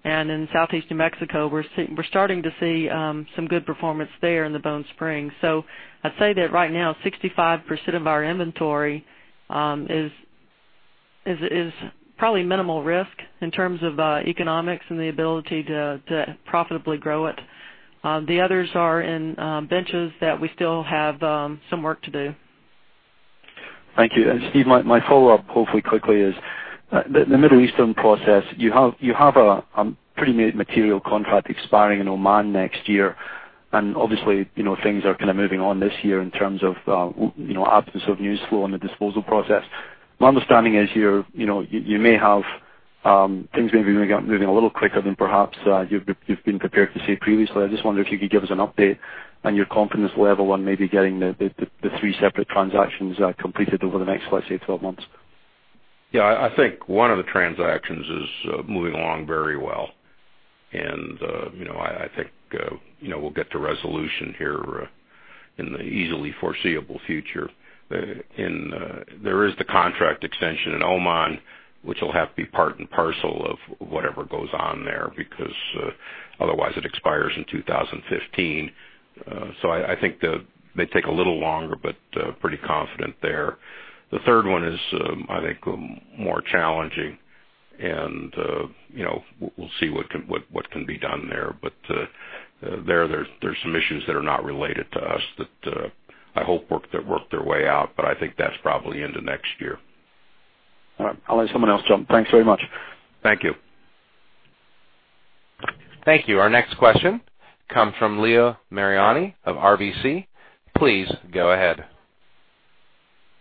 In southeast New Mexico, we're starting to see some good performance there in the Bone Spring. I'd say that right now, 65% of our inventory is probably minimal risk in terms of economics and the ability to profitably grow it. The others are in benches that we still have some work to do. Thank you. Steve, my follow-up, hopefully quickly, is the Middle Eastern process. You have a pretty material contract expiring in Oman next year. Obviously, things are moving on this year in terms of absence of news flow on the disposal process. My understanding is you may have things maybe moving a little quicker than perhaps you've been prepared to say previously. I just wonder if you could give us an update on your confidence level on maybe getting the three separate transactions completed over the next, let's say, 12 months. Yeah, I think one of the transactions is moving along very well. I think we'll get to resolution here in the easily foreseeable future. There is the contract extension in Oman, which will have to be part and parcel of whatever goes on there, because otherwise it expires in 2015. I think they take a little longer, but pretty confident there. The third one is, I think, more challenging, and we'll see what can be done there. There, there's some issues that are not related to us that I hope work their way out, but I think that's probably into next year. All right. I'll let someone else jump. Thanks very much. Thank you. Thank you. Our next question comes from Leo Mariani of RBC. Please go ahead.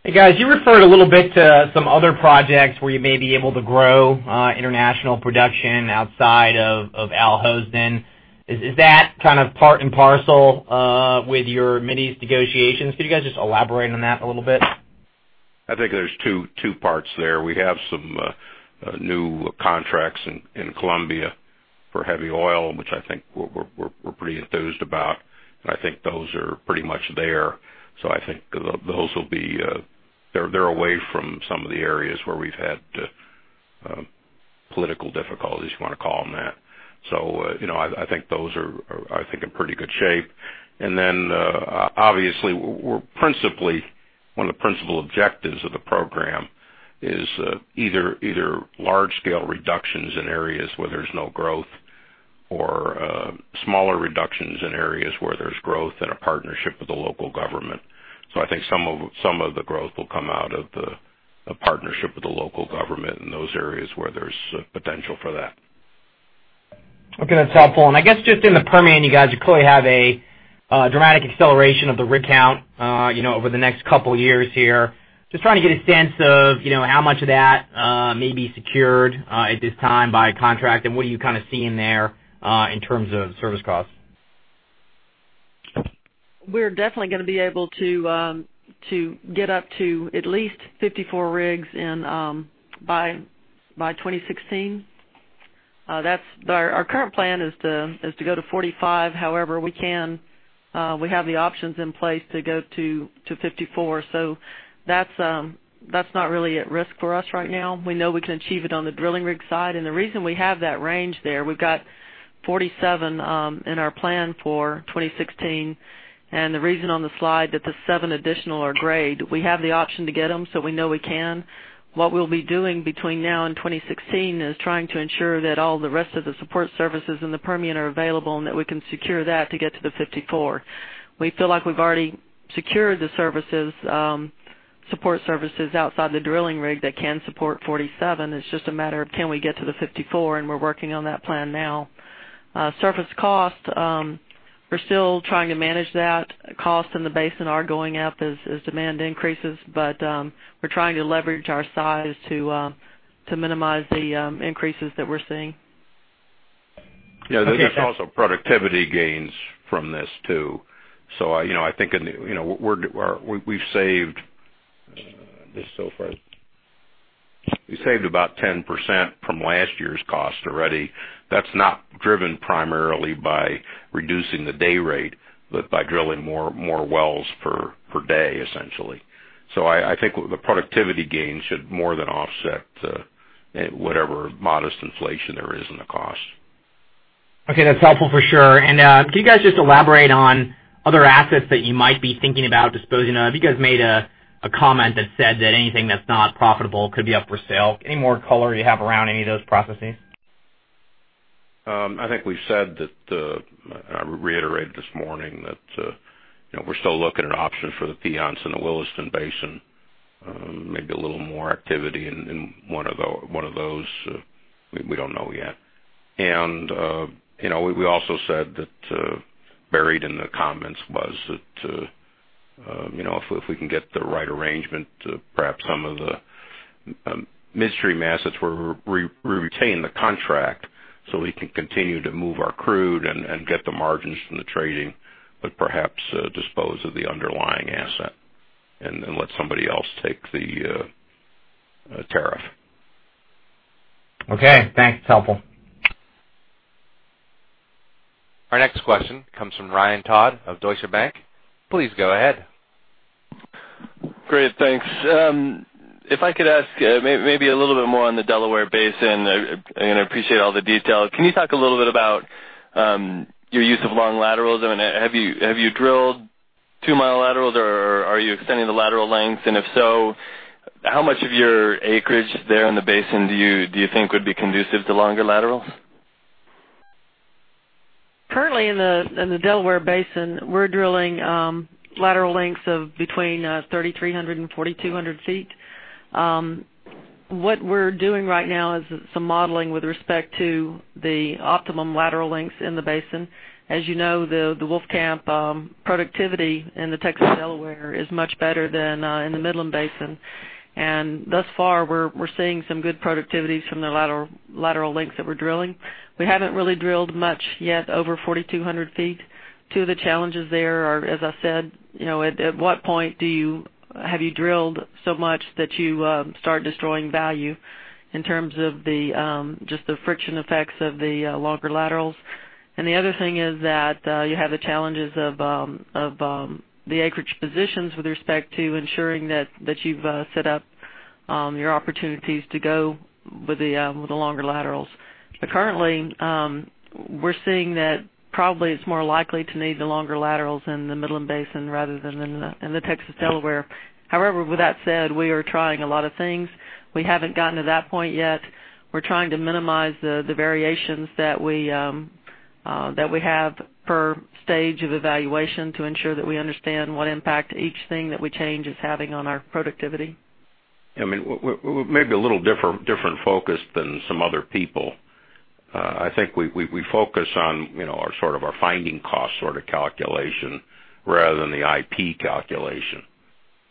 Hey, guys. You referred a little bit to some other projects where you may be able to grow international production outside of Al Hosn. Is that part and parcel with your Mideast negotiations? Could you guys just elaborate on that a little bit? I think there's two parts there. We have some new contracts in Colombia for heavy oil, which I think we're pretty enthused about. I think those are pretty much there. They're away from some of the areas where we've had political difficulties, if you want to call them that. I think those are in pretty good shape. Obviously, one of the principal objectives of the program is either large scale reductions in areas where there's no growth or smaller reductions in areas where there's growth and a partnership with the local government. I think some of the growth will come out of the partnership with the local government in those areas where there's potential for that. Okay. That's helpful. I guess just in the Permian, you guys, you clearly have a dramatic acceleration of the rig count over the next couple years here. Just trying to get a sense of how much of that may be secured at this time by contract, and what are you seeing there in terms of service costs? We're definitely going to be able to get up to at least 54 rigs by 2016. Our current plan is to go to 45. However, we have the options in place to go to 54. That's not really at risk for us right now. We know we can achieve it on the drilling rig side. The reason we have that range there, we've got 47 in our plan for 2016. The reason on the slide that the seven additional are gray, we have the option to get them, so we know we can. What we'll be doing between now and 2016 is trying to ensure that all the rest of the support services in the Permian are available and that we can secure that to get to the 54. We feel like we've already secured the support services outside the drilling rig that can support 47. It's just a matter of can we get to the 54. We're working on that plan now. Service cost, we're still trying to manage that. Costs in the basin are going up as demand increases. We're trying to leverage our size to minimize the increases that we're seeing. Yeah. There's also productivity gains from this, too. I think we've saved about 10% from last year's cost already. That's not driven primarily by reducing the day rate, but by drilling more wells per day, essentially. I think the productivity gain should more than offset whatever modest inflation there is in the cost. Okay. That's helpful for sure. Could you guys just elaborate on other assets that you might be thinking about disposing of? You guys made a comment that said that anything that's not profitable could be up for sale. Any more color you have around any of those processes? I think we've said that, and I reiterated this morning, that we're still looking at options for the Piceance and the Williston Basin. Maybe a little more activity in one of those. We don't know yet. We also said that buried in the comments was that if we can get the right arrangement, perhaps some of the midstream assets where we retain the contract, so we can continue to move our crude and get the margins from the trading, but perhaps dispose of the underlying asset and let somebody else take the tariff. Okay. Thanks. Helpful. Our next question comes from Ryan Todd of Deutsche Bank. Please go ahead. Great. Thanks. If I could ask maybe a little bit more on the Delaware Basin. I appreciate all the detail. Can you talk a little bit about your use of long laterals? Have you drilled two-mile laterals, or are you extending the lateral length? If so, how much of your acreage there in the basin do you think would be conducive to longer laterals? Currently in the Delaware Basin, we're drilling lateral lengths of between 3,300 and 4,200 feet. What we're doing right now is some modeling with respect to the optimum lateral lengths in the basin. As you know, the Wolfcamp productivity in the Texas Delaware is much better than in the Midland Basin. Thus far, we're seeing some good productivities from the lateral lengths that we're drilling. We haven't really drilled much yet over 4,200 feet. Two of the challenges there are, as I said, at what point have you drilled so much that you start destroying value in terms of just the friction effects of the longer laterals. The other thing is that you have the challenges of the acreage positions with respect to ensuring that you've set up your opportunities to go with the longer laterals. Currently, we're seeing that probably it's more likely to need the longer laterals in the Midland Basin rather than in the Texas Delaware. However, with that said, we are trying a lot of things. We haven't gotten to that point yet. We're trying to minimize the variations that we have per stage of evaluation to ensure that we understand what impact each thing that we change is having on our productivity. We're maybe a little different focus than some other people. I think we focus on our finding cost calculation rather than the IP calculation.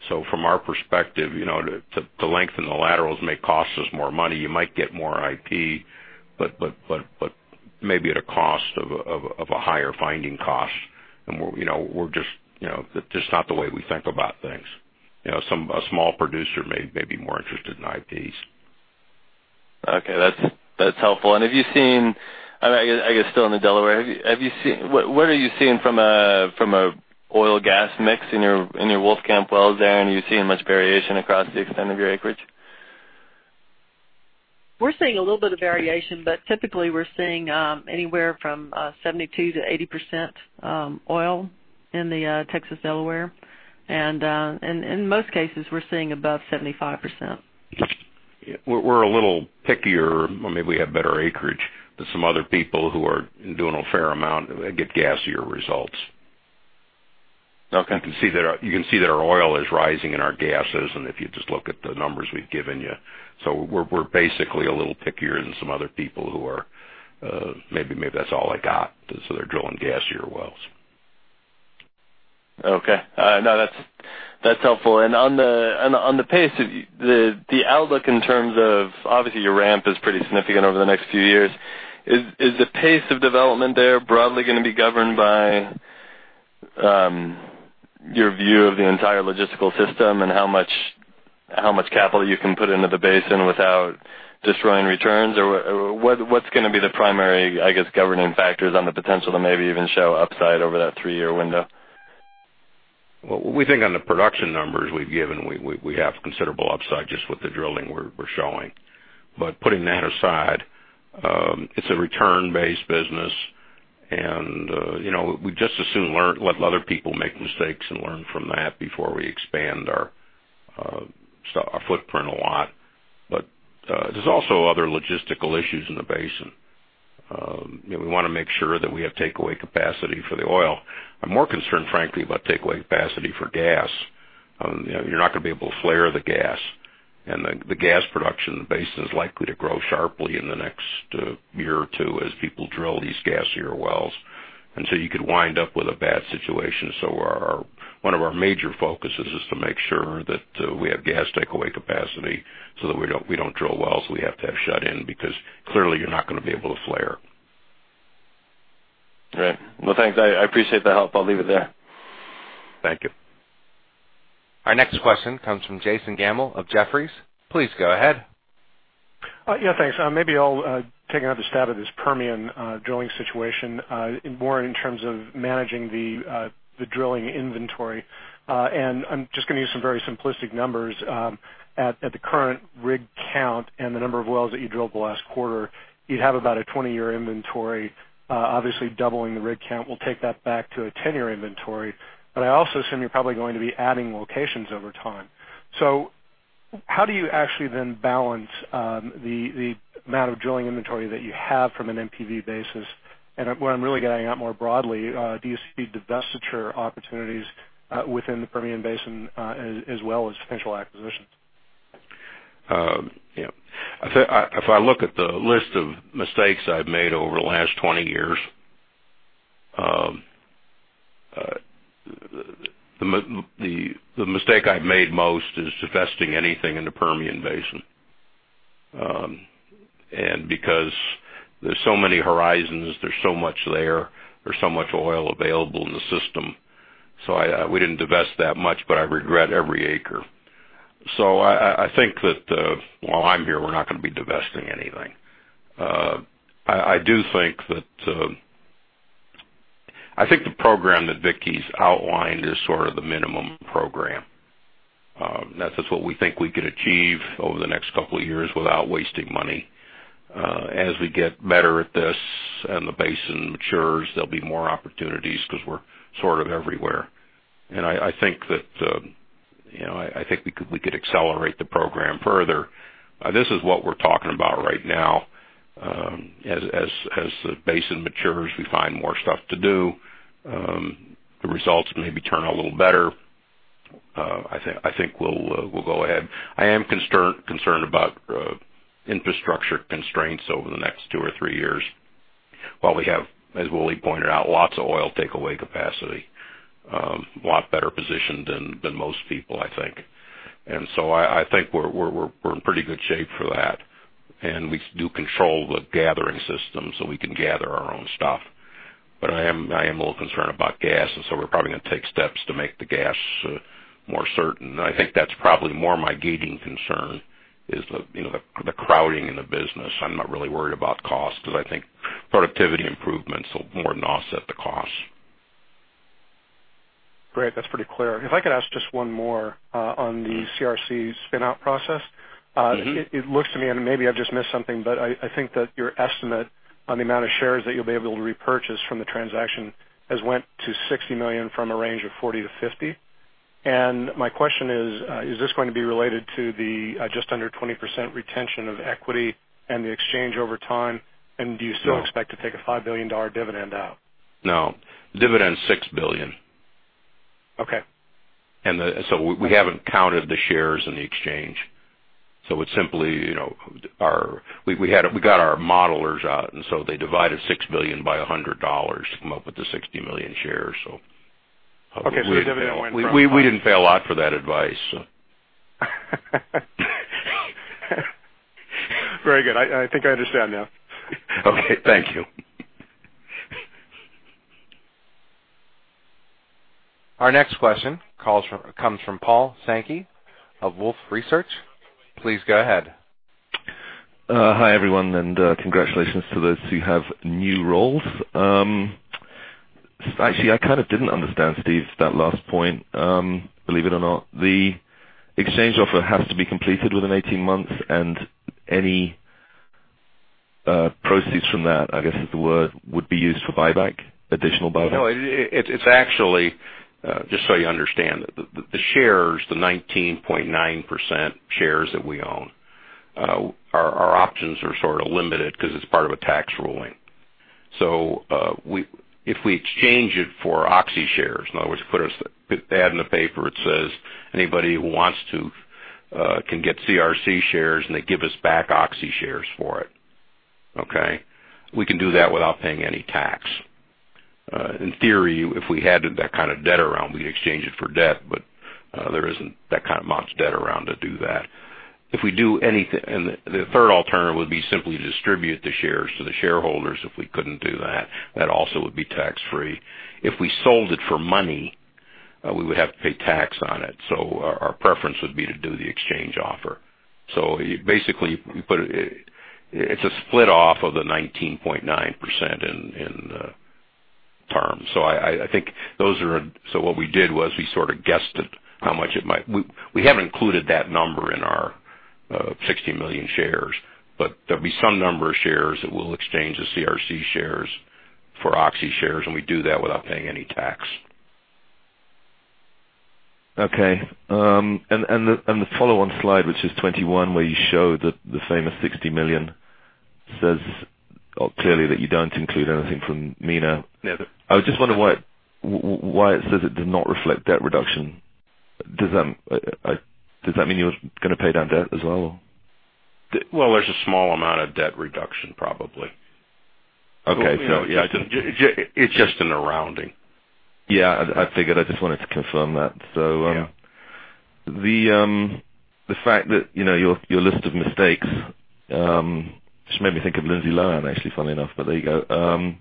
From our perspective, to lengthen the laterals may cost us more money. You might get more IP, but maybe at a cost of a higher finding cost. That's just not the way we think about things. A small producer may be more interested in IPs. Okay. That's helpful. I guess still in the Delaware, what are you seeing from an oil gas mix in your Wolfcamp wells there? Are you seeing much variation across the extent of your acreage? We're seeing a little bit of variation, but typically we're seeing anywhere from 72%-80% oil in the Texas Delaware. In most cases, we're seeing above 75%. We're a little pickier, maybe we have better acreage than some other people who are doing a fair amount, get gassier results. Okay. You can see that our oil is rising and our gas isn't, if you just look at the numbers we've given you. We're basically a little pickier than some other people who are, maybe that's all they got, so they're drilling gassier wells. Okay. No, that's helpful. On the pace, the outlook in terms of, obviously, your ramp is pretty significant over the next few years. Is the pace of development there broadly going to be governed by your view of the entire logistical system and how much capital you can put into the basin without destroying returns? What's going to be the primary, I guess, governing factors on the potential to maybe even show upside over that three-year window? Well, we think on the production numbers we've given, we have considerable upside just with the drilling we're showing. Putting that aside, it's a return-based business and we'd just as soon let other people make mistakes and learn from that before we expand our footprint a lot. There's also other logistical issues in the basin. We want to make sure that we have takeaway capacity for the oil. I'm more concerned, frankly, about takeaway capacity for gas. You're not going to be able to flare the gas, and the gas production in the basin is likely to grow sharply in the next year or two as people drill these gassier wells. You could wind up with a bad situation. One of our major focuses is to make sure that we have gas takeaway capacity so that we don't drill wells we have to have shut in, because clearly you're not going to be able to flare. Right. Well, thanks. I appreciate the help. I'll leave it there. Thank you. Our next question comes from Jason Gammel of Jefferies. Please go ahead. Yeah, thanks. Maybe I'll take another stab at this Permian Basin drilling situation, more in terms of managing the drilling inventory. I'm just going to use some very simplistic numbers. At the current rig count and the number of wells that you drilled the last quarter, you'd have about a 20-year inventory. Obviously, doubling the rig count will take that back to a 10-year inventory. I also assume you're probably going to be adding locations over time. How do you actually then balance the amount of drilling inventory that you have from an NPV basis? What I'm really getting at more broadly, do you see divestiture opportunities within the Permian Basin as well as potential acquisitions? Yeah. If I look at the list of mistakes I've made over the last 20 years, the mistake I've made most is divesting anything in the Permian Basin. Because there's so many horizons, there's so much there's so much oil available in the system, so we didn't divest that much, but I regret every acre. I think that while I'm here, we're not going to be divesting anything. I think the program that Vicki's outlined is sort of the minimum program. That's just what we think we could achieve over the next couple of years without wasting money. As we get better at this and the basin matures, there'll be more opportunities because we're sort of everywhere. I think we could accelerate the program further. This is what we're talking about right now. As the basin matures, we find more stuff to do, the results maybe turn a little better. I think we'll go ahead. I am concerned about infrastructure constraints over the next two or three years. While we have, as Willie pointed out, lots of oil takeaway capacity, a lot better positioned than most people, I think. I think we're in pretty good shape for that, and we do control the gathering system so we can gather our own stuff. But I am a little concerned about gas, and so we're probably going to take steps to make the gas more certain. I think that's probably more my gating concern is the crowding in the business. I'm not really worried about cost because I think productivity improvements will more than offset the cost. Great. That's pretty clear. If I could ask just one more on the CRC spin-out process. It looks to me, and maybe I've just missed something, but I think that your estimate on the amount of shares that you'll be able to repurchase from the transaction has went to 60 million from a range of 40-50. My question is: Is this going to be related to the just under 20% retention of equity and the exchange over time? Do you still expect to take a $5 billion dividend out? No. Dividend's $6 billion. Okay. We haven't counted the shares in the exchange. It's simply, we got our modelers out, they divided $6 billion by $100 to come up with the 60 million shares. Okay. The dividend went from- We didn't pay a lot for that advice, so. Very good. I think I understand now. Okay. Thank you. Our next question comes from Paul Sankey of Wolfe Research. Please go ahead. Hi, everyone, and congratulations to those who have new roles. Actually, I kind of didn't understand, Steve, that last point, believe it or not. The exchange offer has to be completed within 18 months. Any proceeds from that, I guess is the word, would be used for buyback, additional buyback? No, it's actually, just so you understand, the shares, the 19.9% shares that we own, our options are sort of limited because it's part of a tax ruling. If we exchange it for Oxy shares, in other words, put an ad in the paper that says anybody who wants to can get CRC shares and they give us back Oxy shares for it. Okay? We can do that without paying any tax. In theory, if we had that kind of debt around, we'd exchange it for debt, there isn't that kind of amount of debt around to do that. The third alternative would be simply to distribute the shares to the shareholders if we couldn't do that. That also would be tax-free. If we sold it for money, we would have to pay tax on it. Our preference would be to do the exchange offer. Basically, it's a split off of the 19.9% in terms. What we did was we sort of guessed at how much. We haven't included that number in our 60 million shares. There'll be some number of shares that we'll exchange as CRC shares for Oxy shares, and we do that without paying any tax. The follow-on slide, which is 21, where you show the famous $60 million, says clearly that you don't include anything from MENA. Yeah. I was just wondering why it says it does not reflect debt reduction. Does that mean you're going to pay down debt as well? Well, there's a small amount of debt reduction, probably. Okay. It's just in a rounding. Yeah, I figured. I just wanted to confirm that. Yeah. The fact that your list of mistakes just made me think of Lindsay Lohan, actually, funnily enough, but there you go.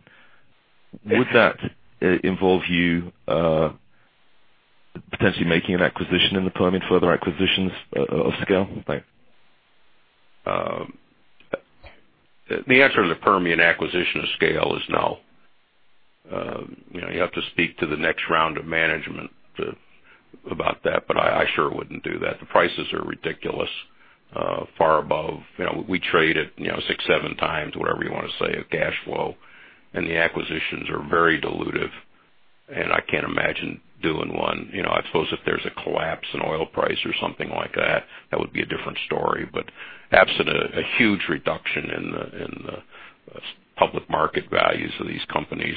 Would that involve you potentially making an acquisition in the Permian, further acquisitions of scale? The answer to the Permian acquisition of scale is no. You have to speak to the next round of management about that, but I sure wouldn't do that. The prices are ridiculous. Far above. We trade at six, seven times, whatever you want to say, of cash flow, and the acquisitions are very dilutive, and I can't imagine doing one. I suppose if there's a collapse in oil price or something like that would be a different story. Absent a huge reduction in the public market values of these companies,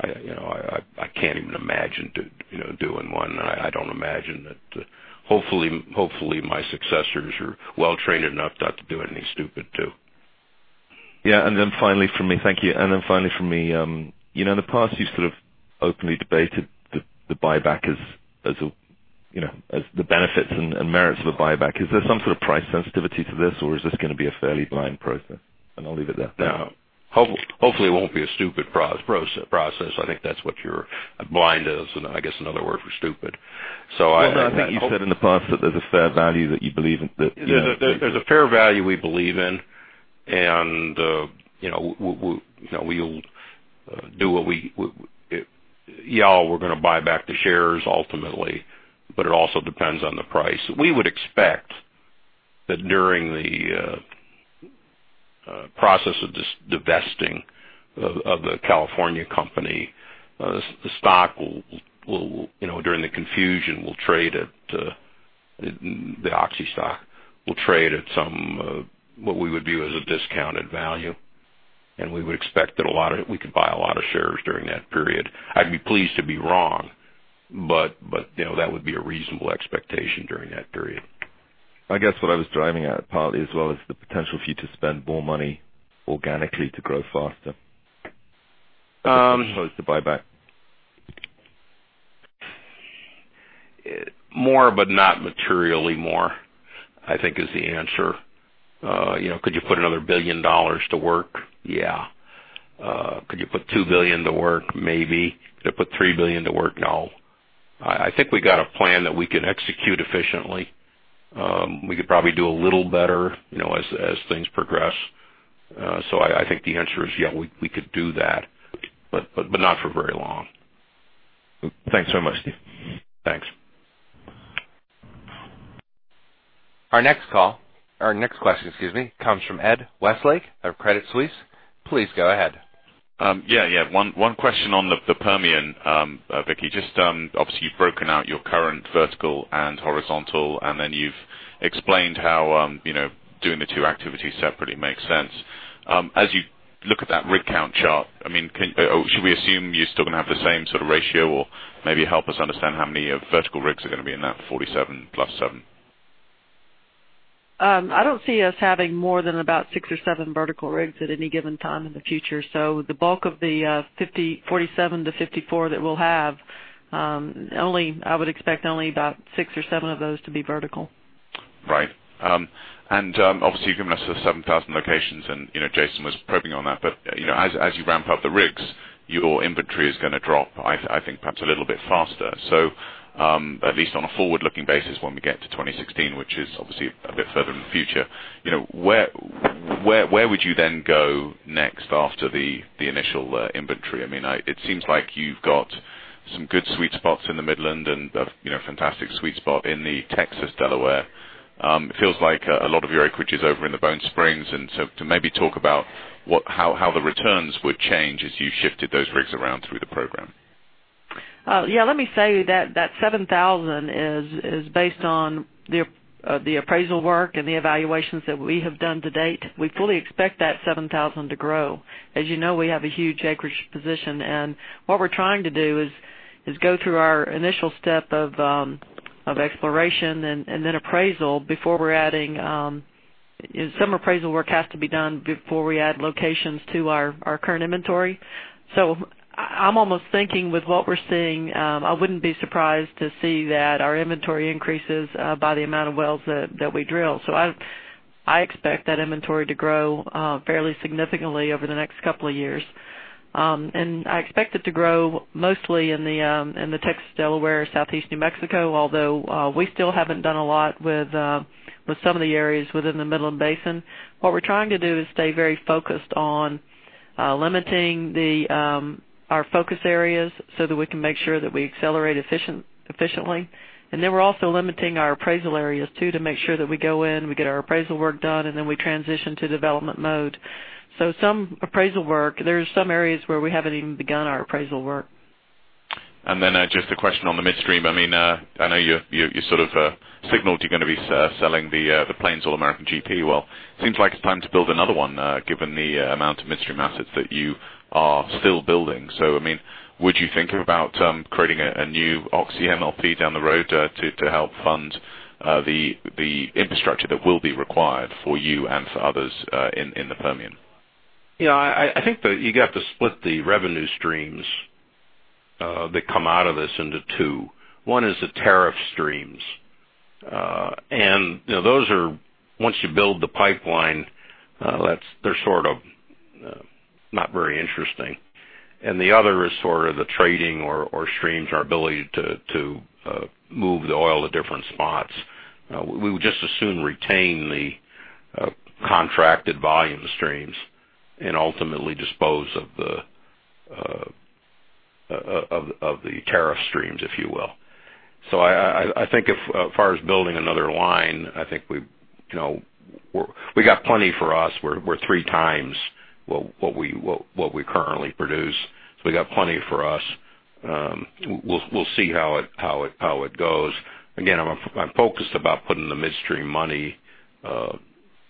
I can't even imagine doing one. Hopefully my successors are well trained enough not to do anything stupid, too. Yeah. Thank you. Then finally from me, in the past, you've sort of openly debated the buyback, the benefits and merits of a buyback. Is there some sort of price sensitivity to this or is this going to be a fairly blind process? I'll leave it there. No. Hopefully it won't be a stupid process. I think that's what you're Blind is, I guess, another word for stupid. Well, no, I think you said in the past that there's a fair value that you believe in. There's a fair value we believe in. Yeah, we're going to buy back the shares ultimately, it also depends on the price. We would expect that during the process of divesting of the California company, the stock, during the confusion, the Oxy stock will trade at what we would view as a discounted value, we would expect that we could buy a lot of shares during that period. I'd be pleased to be wrong, that would be a reasonable expectation during that period. I guess what I was driving at, partly as well, is the potential for you to spend more money organically to grow faster as opposed to buyback. More, but not materially more, I think is the answer. Could you put another $1 billion to work? Yeah. Could you put $2 billion to work? Maybe. Could it put $3 billion to work? No. I think we got a plan that we can execute efficiently. We could probably do a little better as things progress. I think the answer is yeah, we could do that, but not for very long. Thanks so much. Thanks. Our next question comes from Edward Westlake of Credit Suisse. Please go ahead. Yeah. One question on the Permian. Vicki, obviously you've broken out your current vertical and horizontal, and then you've explained how doing the two activities separately makes sense. As you look at that rig count chart, should we assume you're still going to have the same sort of ratio? Maybe help us understand how many vertical rigs are going to be in that 47 plus 7. I don't see us having more than about six or seven vertical rigs at any given time in the future. The bulk of the 47 to 54 that we'll have, I would expect only about six or seven of those to be vertical. Right. Obviously you've given us the 7,000 locations, and Jason was probing on that. As you ramp up the rigs, your inventory is going to drop, I think perhaps a little bit faster. At least on a forward-looking basis, when we get to 2016, which is obviously a bit further in the future, where would you then go next after the initial inventory? It seems like you've got some good sweet spots in the Midland and a fantastic sweet spot in the Texas Delaware. It feels like a lot of your acreage is over in the Bone Spring, to maybe talk about how the returns would change as you shifted those rigs around through the program. Yeah, let me say that 7,000 is based on the appraisal work and the evaluations that we have done to date. We fully expect that 7,000 to grow. As you know, we have a huge acreage position and what we're trying to do is go through our initial step of exploration and then appraisal before we're adding Some appraisal work has to be done before we add locations to our current inventory. I'm almost thinking with what we're seeing, I wouldn't be surprised to see that our inventory increases by the amount of wells that we drill. I expect that inventory to grow fairly significantly over the next couple of years. I expect it to grow mostly in the Texas Delaware, Southeast New Mexico, although we still haven't done a lot with some of the areas within the Midland Basin. What we're trying to do is stay very focused on limiting our focus areas so that we can make sure that we accelerate efficiently. We're also limiting our appraisal areas, too, to make sure that we go in, we get our appraisal work done, and then we transition to development mode. Some appraisal work, there's some areas where we haven't even begun our appraisal work. just a question on the midstream. I know you sort of signaled you're going to be selling the Plains All American GP. Seems like it's time to build another one given the amount of midstream assets that you are still building. Would you think about creating a new Oxy MLP down the road to help fund the infrastructure that will be required for you and for others in the Permian? I think that you got to split the revenue streams that come out of this into two. One is the tariff streams. Those are, once you build the pipeline, they're sort of not very interesting. The other is sort of the trading or streams, our ability to move the oil to different spots. We would just as soon retain the contracted volume streams and ultimately dispose of the tariff streams, if you will. I think as far as building another line, I think we got plenty for us. We're three times what we currently produce. We got plenty for us. We'll see how it goes. Again, I'm focused about putting the midstream money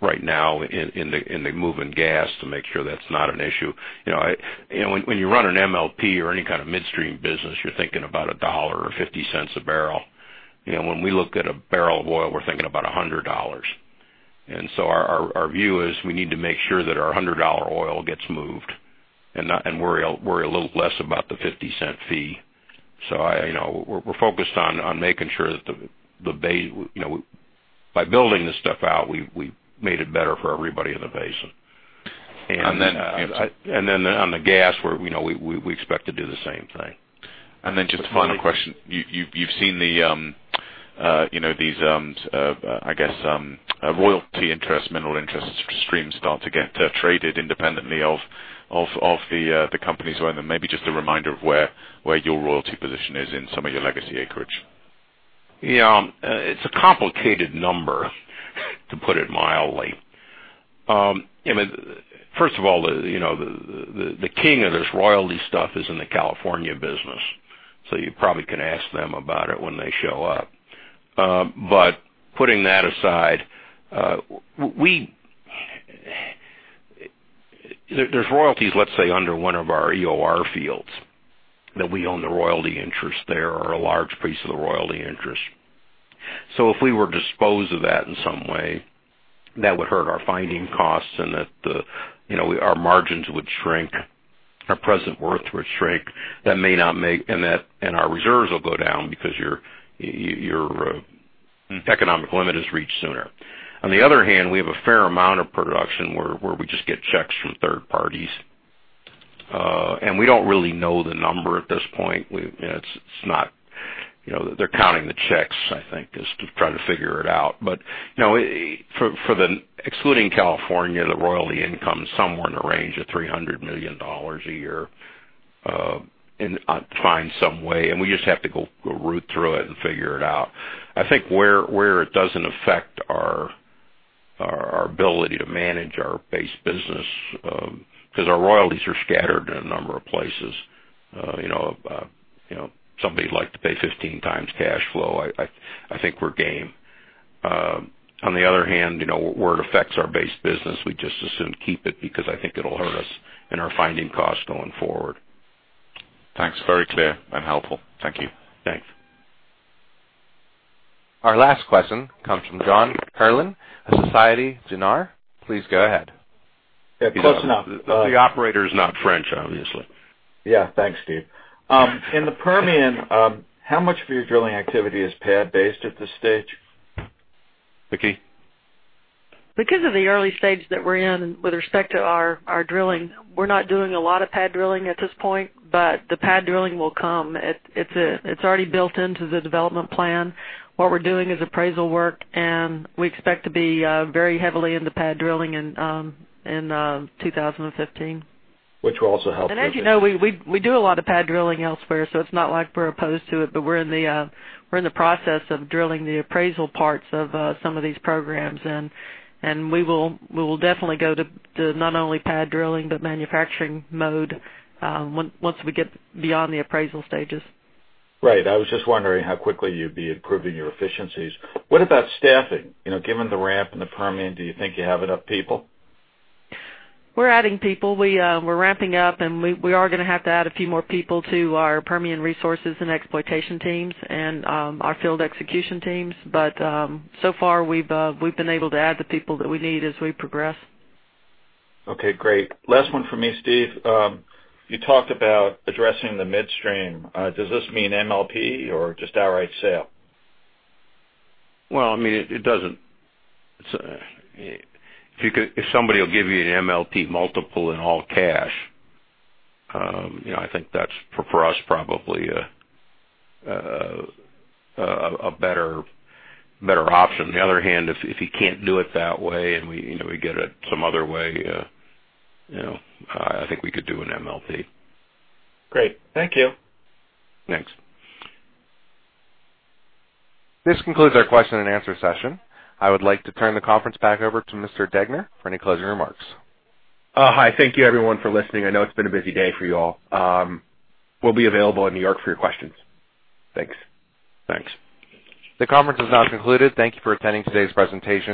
right now into moving gas to make sure that's not an issue. When you run an MLP or any kind of midstream business, you're thinking about $1 or $0.50 a barrel. When we look at a barrel of oil, we're thinking about $100. Our view is we need to make sure that our $100 oil gets moved, and worry a little less about the $0.50 fee. We're focused on making sure that by building this stuff out, we made it better for everybody in the Basin. And then- Then on the gas, we expect to do the same thing. Just the final question. You've seen these, I guess royalty interest, mineral interest streams start to get traded independently of the companies who own them. Maybe just a reminder of where your royalty position is in some of your legacy acreage. Yeah. It's a complicated number, to put it mildly. First of all, the king of this royalty stuff is in the California business, so you probably can ask them about it when they show up. Putting that aside, there's royalties, let's say, under one of our EOR fields that we own the royalty interest there or a large piece of the royalty interest. If we were to dispose of that in some way, that would hurt our finding costs and our margins would shrink, our present worth would shrink, and our reserves will go down because your economic limit is reached sooner. On the other hand, we have a fair amount of production where we just get checks from third parties. We don't really know the number at this point. They're counting the checks, I think, just to try to figure it out. Excluding California, the royalty income is somewhere in the range of $300 million a year, to find some way, and we just have to go root through it and figure it out. I think where it doesn't affect our ability to manage our base business, because our royalties are scattered in a number of places. If somebody'd like to pay 15 times cash flow, I think we're game. On the other hand, where it affects our base business, we'd just as soon keep it because I think it'll hurt us and our finding costs going forward. Thanks. Very clear and helpful. Thank you. Thanks. Our last question comes from John Herrlin of Societe Generale. Please go ahead. Close enough. The operator is not French, obviously. Yeah. Thanks, Steve. In the Permian, how much of your drilling activity is pad-based at this stage? Vicki? Because of the early stage that we're in with respect to our drilling, we're not doing a lot of pad drilling at this point, but the pad drilling will come. It's already built into the development plan. What we're doing is appraisal work, and we expect to be very heavily into pad drilling in 2015. Which will also help with the- As you know, we do a lot of pad drilling elsewhere, so it's not like we're opposed to it, but we're in the process of drilling the appraisal parts of some of these programs, and we will definitely go to not only pad drilling, but manufacturing mode once we get beyond the appraisal stages. Right. I was just wondering how quickly you'd be improving your efficiencies. What about staffing? Given the ramp in the Permian, do you think you have enough people? We're adding people. We're ramping up, and we are going to have to add a few more people to our Permian Resources and exploitation teams and our field execution teams. So far, we've been able to add the people that we need as we progress. Okay, great. Last one from me, Steve. You talked about addressing the midstream. Does this mean MLP or just outright sale? Well, if somebody will give you an MLP multiple in all cash, I think that's, for us, probably a better option. On the other hand, if you can't do it that way and we get it some other way, I think we could do an MLP. Great. Thank you. Thanks. This concludes our question and answer session. I would like to turn the conference back over to Mr. Degner for any closing remarks. Hi. Thank you everyone for listening. I know it's been a busy day for you all. We'll be available in New York for your questions. Thanks. Thanks. The conference is now concluded. Thank you for attending today's presentation.